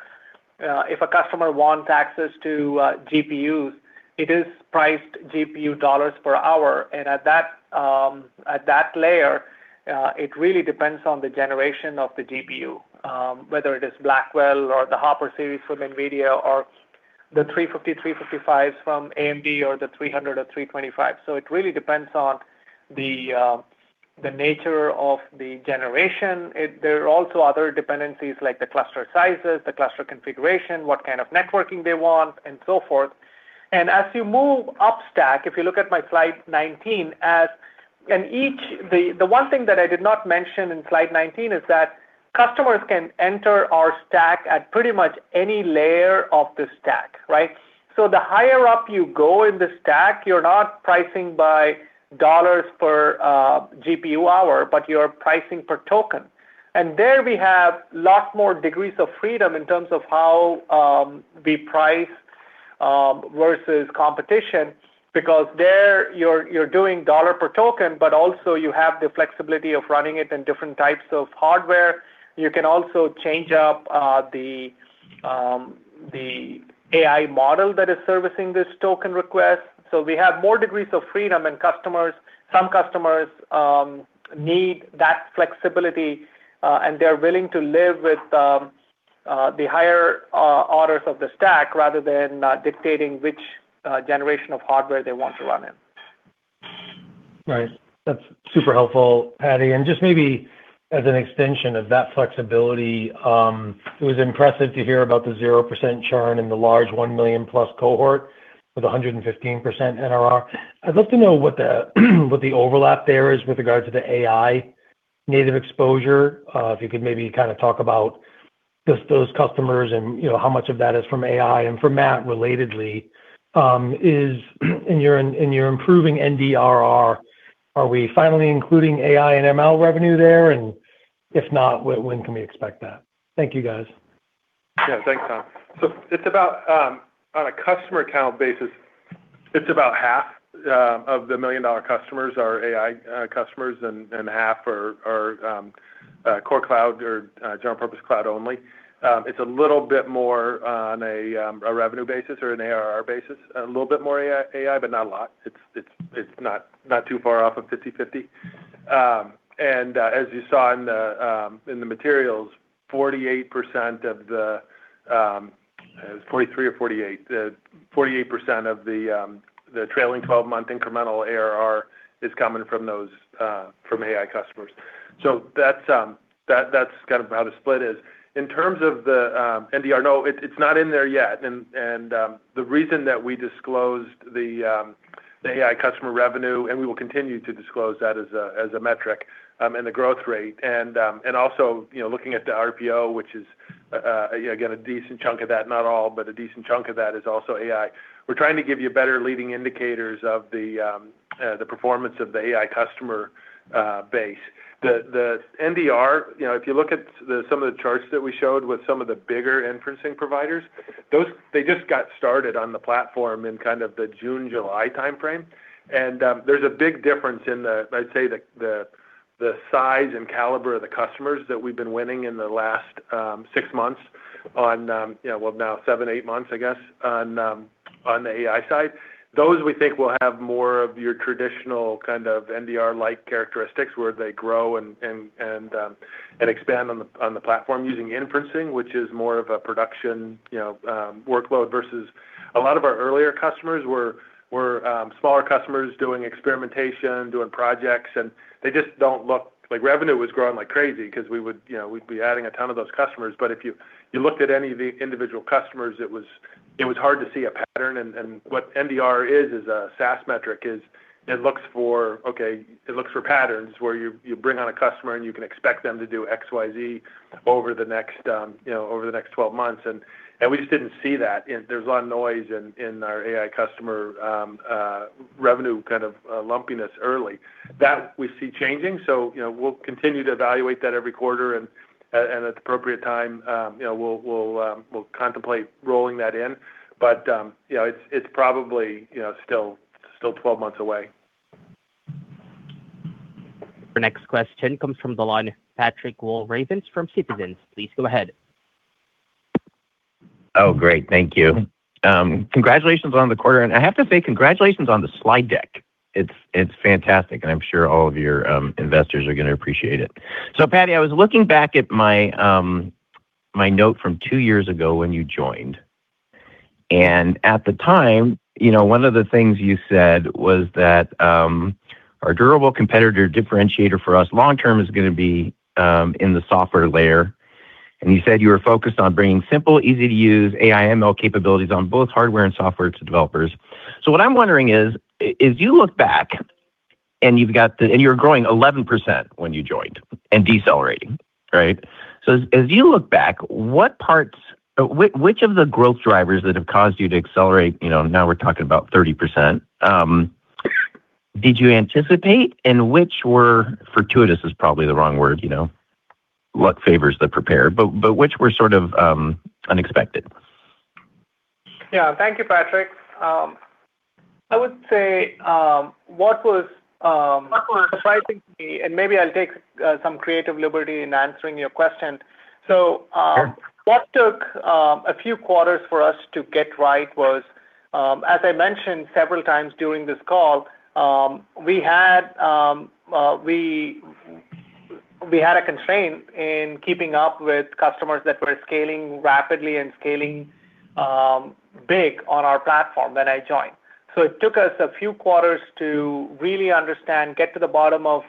if a customer wants access to GPUs, it is priced GPU dollars per hour. At that layer, it really depends on the generation of the GPU, whether it is Blackwell or the Hopper series from NVIDIA or the 350, 355s from AMD or the 300 or 325. It really depends on the nature of the generation. There are also other dependencies like the cluster sizes, the cluster configuration, what kind of networking they want, and so forth. As you move upstack, if you look at my slide 19, the one thing that I did not mention in slide 19 is that customers can enter our stack at pretty much any layer of the stack, right? The higher up you go in the stack, you're not pricing by dollars per GPU hour, but you're pricing per token. There we have lots more degrees of freedom in terms of how we price versus competition, because there you're doing dollar per token, but also you have the flexibility of running it in different types of hardware. You can also change up the AI model that is servicing this token request. We have more degrees of freedom, and some customers need that flexibility, and they're willing to live with the higher orders of the stack rather than dictating which generation of hardware they want to run in. Right. That's super helpful, Paddy. Just maybe as an extension of that flexibility, it was impressive to hear about the 0% churn in the large $1 million+ cohort with 115% ARR. I'd love to know what the overlap there is with regard to the AI native exposure. If you could maybe kind of talk about just those customers and, you know, how much of that is from AI. For Matt, relatedly, is in your improving NDR, are we finally including AI and ML revenue there? And if not, when can we expect that? Thank you, guys. Yeah. Thanks, Tom. It's about on a customer account basis, it's about half of the million-dollar customers are AI customers, and half are core cloud or general-purpose cloud only. It's a little bit more on a revenue basis or an ARR basis, a little bit more AI, but not a lot. It's not too far off of 50/50. As you saw in the materials, 48% of the... It was 43% or 48%. 48% of the trailing 12-month incremental ARR is coming from AI customers. That's kind of how the split is. In terms of the NDR, no, it's not in there yet. The reason that we disclosed the AI customer revenue, and we will continue to disclose that as a metric, and the growth rate and also, you know, looking at the RPO, which is again, a decent chunk of that, not all, but a decent chunk of that is also AI. We're trying to give you better leading indicators of the performance of the AI customer base. The NDR, you know, if you look at the some of the charts that we showed with some of the bigger inferencing providers, they just got started on the platform in kind of the June, July time frame. There's a big difference in the, I'd say, the size and caliber of the customers that we've been winning in the last six months on, yeah, well, now seven, eight months, I guess, on the AI side. Those we think will have more of your traditional kind of NDR-like characteristics, where they grow and expand on the platform using inferencing, which is more of a production, you know, workload versus a lot of our earlier customers were smaller customers doing experimentation, doing projects, and they just don't look. Like, revenue was growing like crazy because we would, you know, we'd be adding a ton of those customers. If you looked at any of the individual customers, it was hard to see a pattern. What NDR is as a SaaS metric, is it looks for, okay, it looks for patterns where you bring on a customer and you can expect them to do XYZ over the next, you know, over the next 12 months, and we just didn't see that. There's a lot of noise in our AI customer, revenue, kind of, lumpiness early. That we see changing, so, you know, we'll continue to evaluate that every quarter, and at the appropriate time, you know, we'll contemplate rolling that in. You know, it's probably, you know, still 12 months away. The next question comes from the line, Patrick Walravens from Citizens. Please go ahead. Great. Thank you. Congratulations on the quarter, I have to say congratulations on the slide deck. It's fantastic, I'm sure all of your investors are gonna appreciate it. Paddy, I was looking back at my note from two years ago when you joined. At the time, you know, one of the things you said was that, "Our durable competitor differentiator for us long term is gonna be in the software layer." You said you were focused on bringing simple, easy-to-use AI/ML capabilities on both hardware and software developers. What I'm wondering is, if you look back and you were growing 11% when you joined and decelerating, right? As you look back, what parts... Which of the growth drivers that have caused you to accelerate, you know, now we're talking about 30%, did you anticipate? Which were, fortuitous is probably the wrong word, you know, luck favors the prepared, but which were sort of, unexpected? Yeah. Thank you, Patrick. I would say, what was surprising to me, and maybe I'll take some creative liberty in answering your question. Sure. What took a few quarters for us to get right was, as I mentioned several times during this call, we had a constraint in keeping up with customers that were scaling rapidly and scaling big on our platform when I joined. It took us a few quarters to really understand, get to the bottom of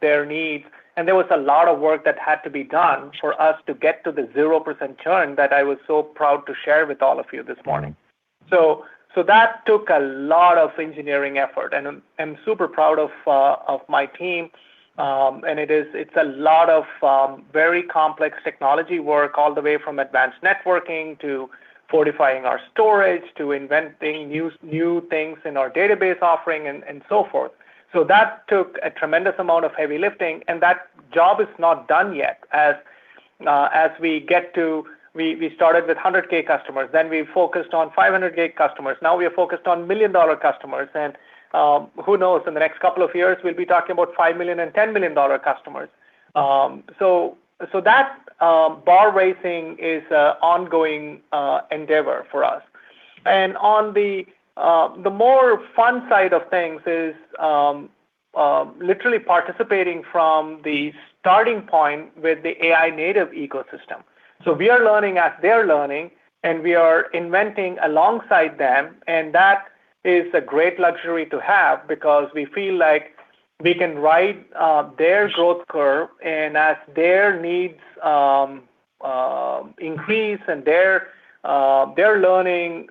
their needs, and there was a lot of work that had to be done for us to get to the 0% churn that I was so proud to share with all of you this morning. That took a lot of engineering effort, and I'm super proud of my team. It is, it's a lot of very complex technology work all the way from advanced networking to fortifying our storage, to inventing new things in our database offering and so forth. That took a tremendous amount of heavy lifting, and that job is not done yet. As we get to, we started with $100,000 customers, then we focused on $500,000 customers. Now, we are focused on million-dollar customers, and who knows, in the next couple of years, we'll be talking about $5 million- and $10 million-dollar customers. That bar raising is an ongoing endeavor for us. On the more fun side of things is literally participating from the starting point with the AI-native ecosystem. We are learning as they're learning, and we are inventing alongside them, and that is a great luxury to have because we feel like we can ride their growth curve, and as their needs increase and they're learning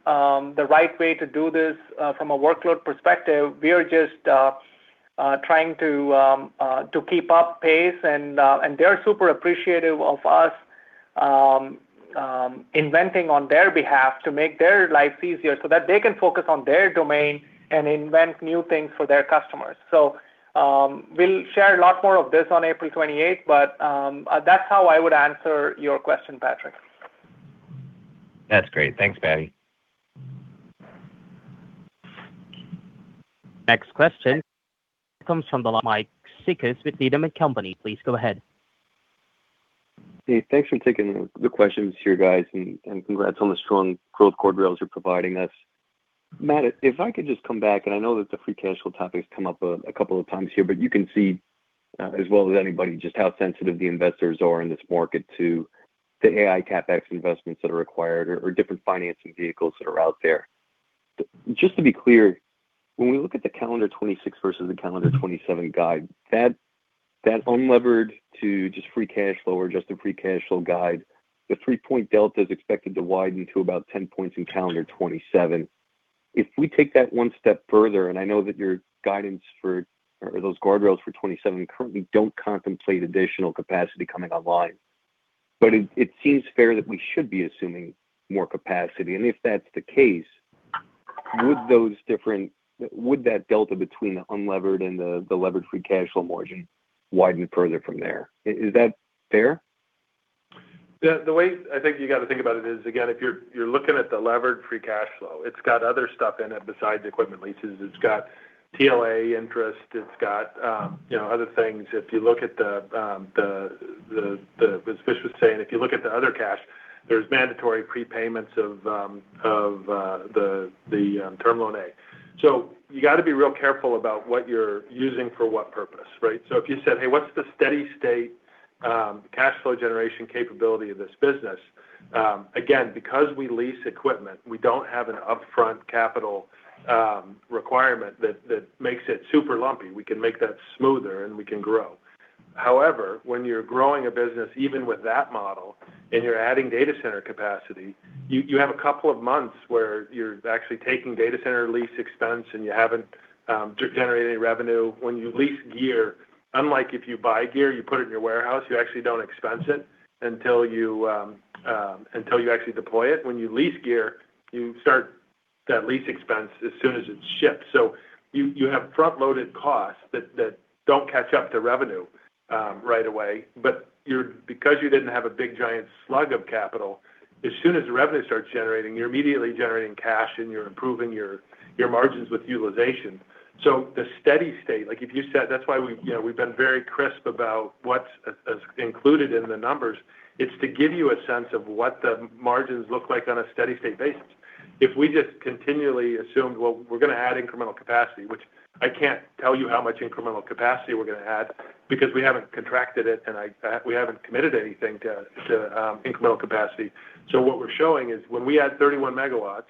the right way to do this from a workload perspective, we are just trying to keep up pace. They're super appreciative of us inventing on their behalf to make their lives easier so that they can focus on their domain and invent new things for their customers. We'll share a lot more of this on April 28, but that's how I would answer your question, Patrick. That's great. Thanks, Paddy. Next question comes from the line, Mike Cikos with Needham & Company. Please go ahead. Hey, thanks for taking the questions here, guys, and congrats on the strong growth guardrails you're providing us. Matt, if I could just come back, and I know that the free cash flow topic has come up a couple of times here, but you can see as well as anybody, just how sensitive the investors are in this market to the AI CapEx investments that are required or different financing vehicles that are out there. Just to be clear, when we look at the calendar 2026 versus the calendar 2027 guide, that unlevered to just free cash flow or just the free cash flow guide, the 3-point delta is expected to widen to about 10 points in calendar 2027. If we take that one step further, I know that your guidance for or those guardrails for 2027 currently don't contemplate additional capacity coming online, it seems fair that we should be assuming more capacity. If that's the case, would that delta between the unlevered and the levered free cash flow margin widen further from there? Is that fair? The way I think you've got to think about it is, again, if you're looking at the levered free cash flow, it's got other stuff in it besides equipment leases. It's got TLA interest, it's got, you know, other things. If you look at the, as Fish was saying, if you look at the other cash, there's mandatory prepayments of the Term Loan A. You've got to be real careful about what you're using for what purpose, right? If you said, "Hey, what's the steady-state cash flow generation capability of this business?" Again, because we lease equipment, we don't have an upfront capital requirement that makes it super lumpy. We can make that smoother, and we can grow. When you're growing a business, even with that model, and you're adding data center capacity, you have two months where you're actually taking data center lease expense, and you haven't generated any revenue. When you lease gear, unlike if you buy gear, you put it in your warehouse, you actually don't expense it until you actually deploy it. When you lease gear, you start that lease expense as soon as it's shipped. You have front-loaded costs that don't catch up to revenue right away. Because you didn't have a big, giant slug of capital, as soon as the revenue starts generating, you're immediately generating cash, and you're improving your margins with utilization. The steady state, like, if you said, that's why we've, you know, we've been very crisp about what's, as included in the numbers. It's to give you a sense of what the margins look like on a steady-state basis. If we just continually assumed, well, we're gonna add incremental capacity, which I can't tell you how much incremental capacity we're gonna add because we haven't contracted it, and I, we haven't committed anything to incremental capacity. What we're showing is when we add 31 MW,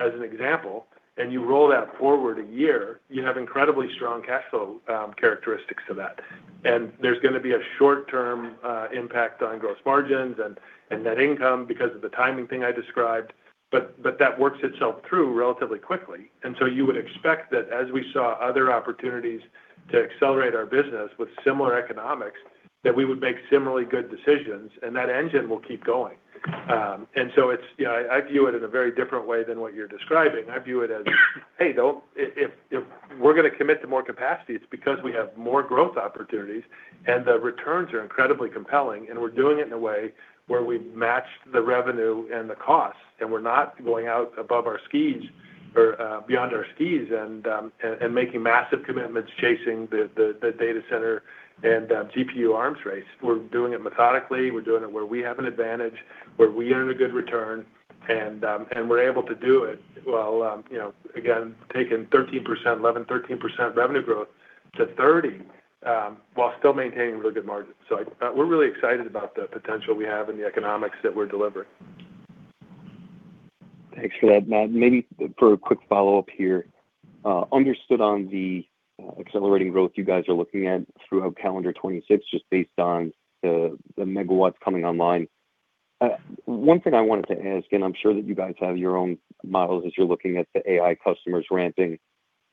as an example, and you roll that forward a year, you have incredibly strong cash flow characteristics to that. There's gonna be a short-term impact on gross margins and net income because of the timing thing I described, but that works itself through relatively quickly. You would expect that as we saw other opportunities to accelerate our business with similar economics, that we would make similarly good decisions, and that engine will keep going. It's yeah, I view it in a very different way than what you're describing. I view it as, hey, don't if we're gonna commit to more capacity, it's because we have more growth opportunities, and the returns are incredibly compelling, and we're doing it in a way where we've matched the revenue and the costs, and we're not going out above our skis or beyond our skis and making massive commitments, chasing the data center and GPU arms race. We're doing it methodically. We're doing it where we have an advantage, where we earn a good return, and we're able to do it while, you know, again, taking 13%, 11, 13% revenue growth to 30%, while still maintaining really good margins. We're really excited about the potential we have and the economics that we're delivering. Thanks for that, Matt. Maybe for a quick follow-up here. Understood on the accelerating growth you guys are looking at throughout calendar 2026, just based on the megawatts coming online. One thing I wanted to ask, and I'm sure that you guys have your own models as you're looking at the AI customers ramping,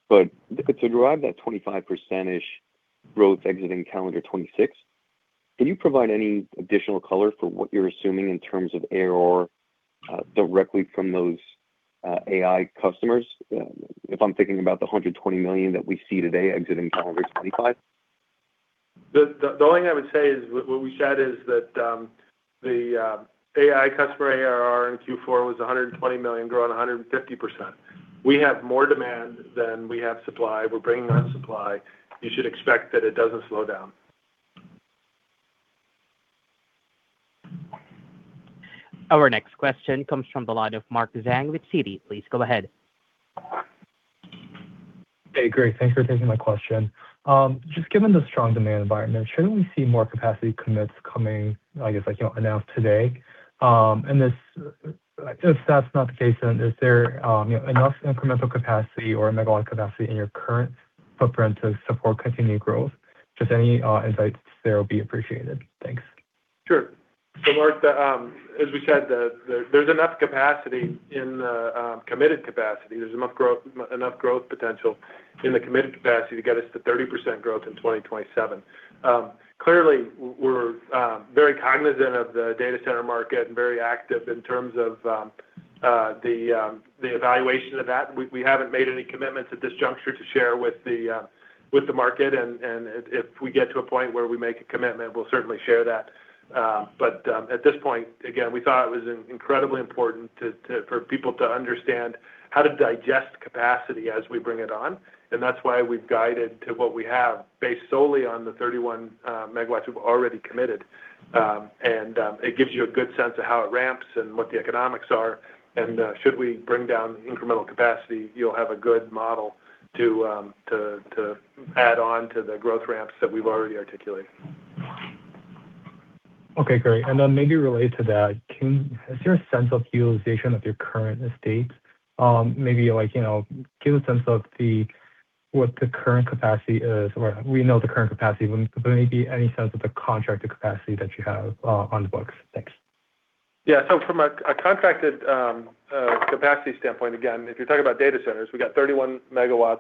but to derive that 25 percentage growth exiting calendar 2026, can you provide any additional color for what you're assuming in terms of ARR directly from those AI customers? If I'm thinking about the $120 million that we see today exiting calendar 2025. The only thing I would say is, what we said is that, the AI customer ARR in Q4 was $120 million, growing 150%. We have more demand than we have supply. We're bringing on supply. You should expect that it doesn't slow down. Our next question comes from the line of Mark Zhang with Citi. Please go ahead. Hey, great. Thanks for taking my question. Just given the strong demand environment, should we see more capacity commits coming, I guess, like, you know, announced today? If that's not the case, then is there enough incremental capacity or megawatt capacity in your current footprint to support continued growth? Just any insights there will be appreciated. Thanks. Sure. Mark, as we said, there's enough capacity in the committed capacity. There's enough growth, enough growth potential in the committed capacity to get us to 30% growth in 2027. Clearly, we're very cognizant of the data center market and very active in terms of the evaluation of that. We haven't made any commitments at this juncture to share with the market, and if we get to a point where we make a commitment, we'll certainly share that. At this point, again, we thought it was incredibly important to for people to understand how to digest capacity as we bring it on, and that's why we've guided to what we have, based solely on the 31 MW we've already committed. It gives you a good sense of how it ramps and what the economics are, and, should we bring down the incremental capacity, you'll have a good model to add on to the growth ramps that we've already articulated. Okay, great. Maybe related to that, Is there a sense of utilization of your current estates? Maybe, like, you know, give a sense of what the current capacity is, or we know the current capacity, but maybe any sense of the contracted capacity that you have on the books? Thanks. From a contracted, capacity standpoint, again, if you're talking about data centers, we got 31 MW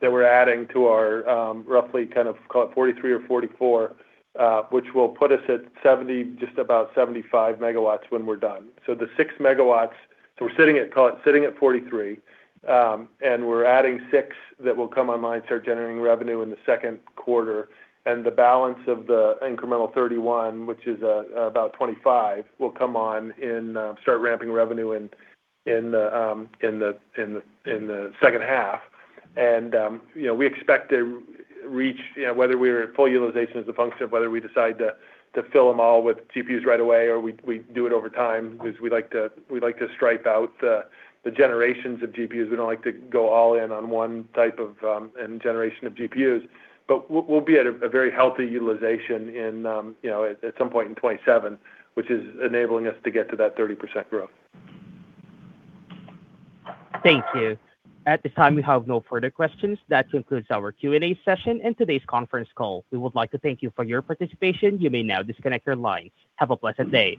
that we're adding to our, roughly kind of, call it 43 MW or 44 MW, which will put us at 70 MW, just about 75 MW when we're done. The 6 MW, so we're sitting at, call it, sitting at 43 MW, and we're adding 6 MW that will come online, start generating revenue in the second quarter, and the balance of the incremental 31 MW, which is, about 25 MW, will come on and, start ramping revenue in the second half. You know, we expect to reach, you know, whether we're at full utilization as a function of whether we decide to fill them all with GPUs right away, or we do it over time, because we like to, we like to stripe out the generations of GPUs. We don't like to go all in on one type of and generation of GPUs. We'll be at a very healthy utilization in, you know, at some point in 2027, which is enabling us to get to that 30% growth. Thank you. At this time, we have no further questions. That concludes our Q&A session and today's conference call. We would like to thank you for your participation. You may now disconnect your line. Have a pleasant day.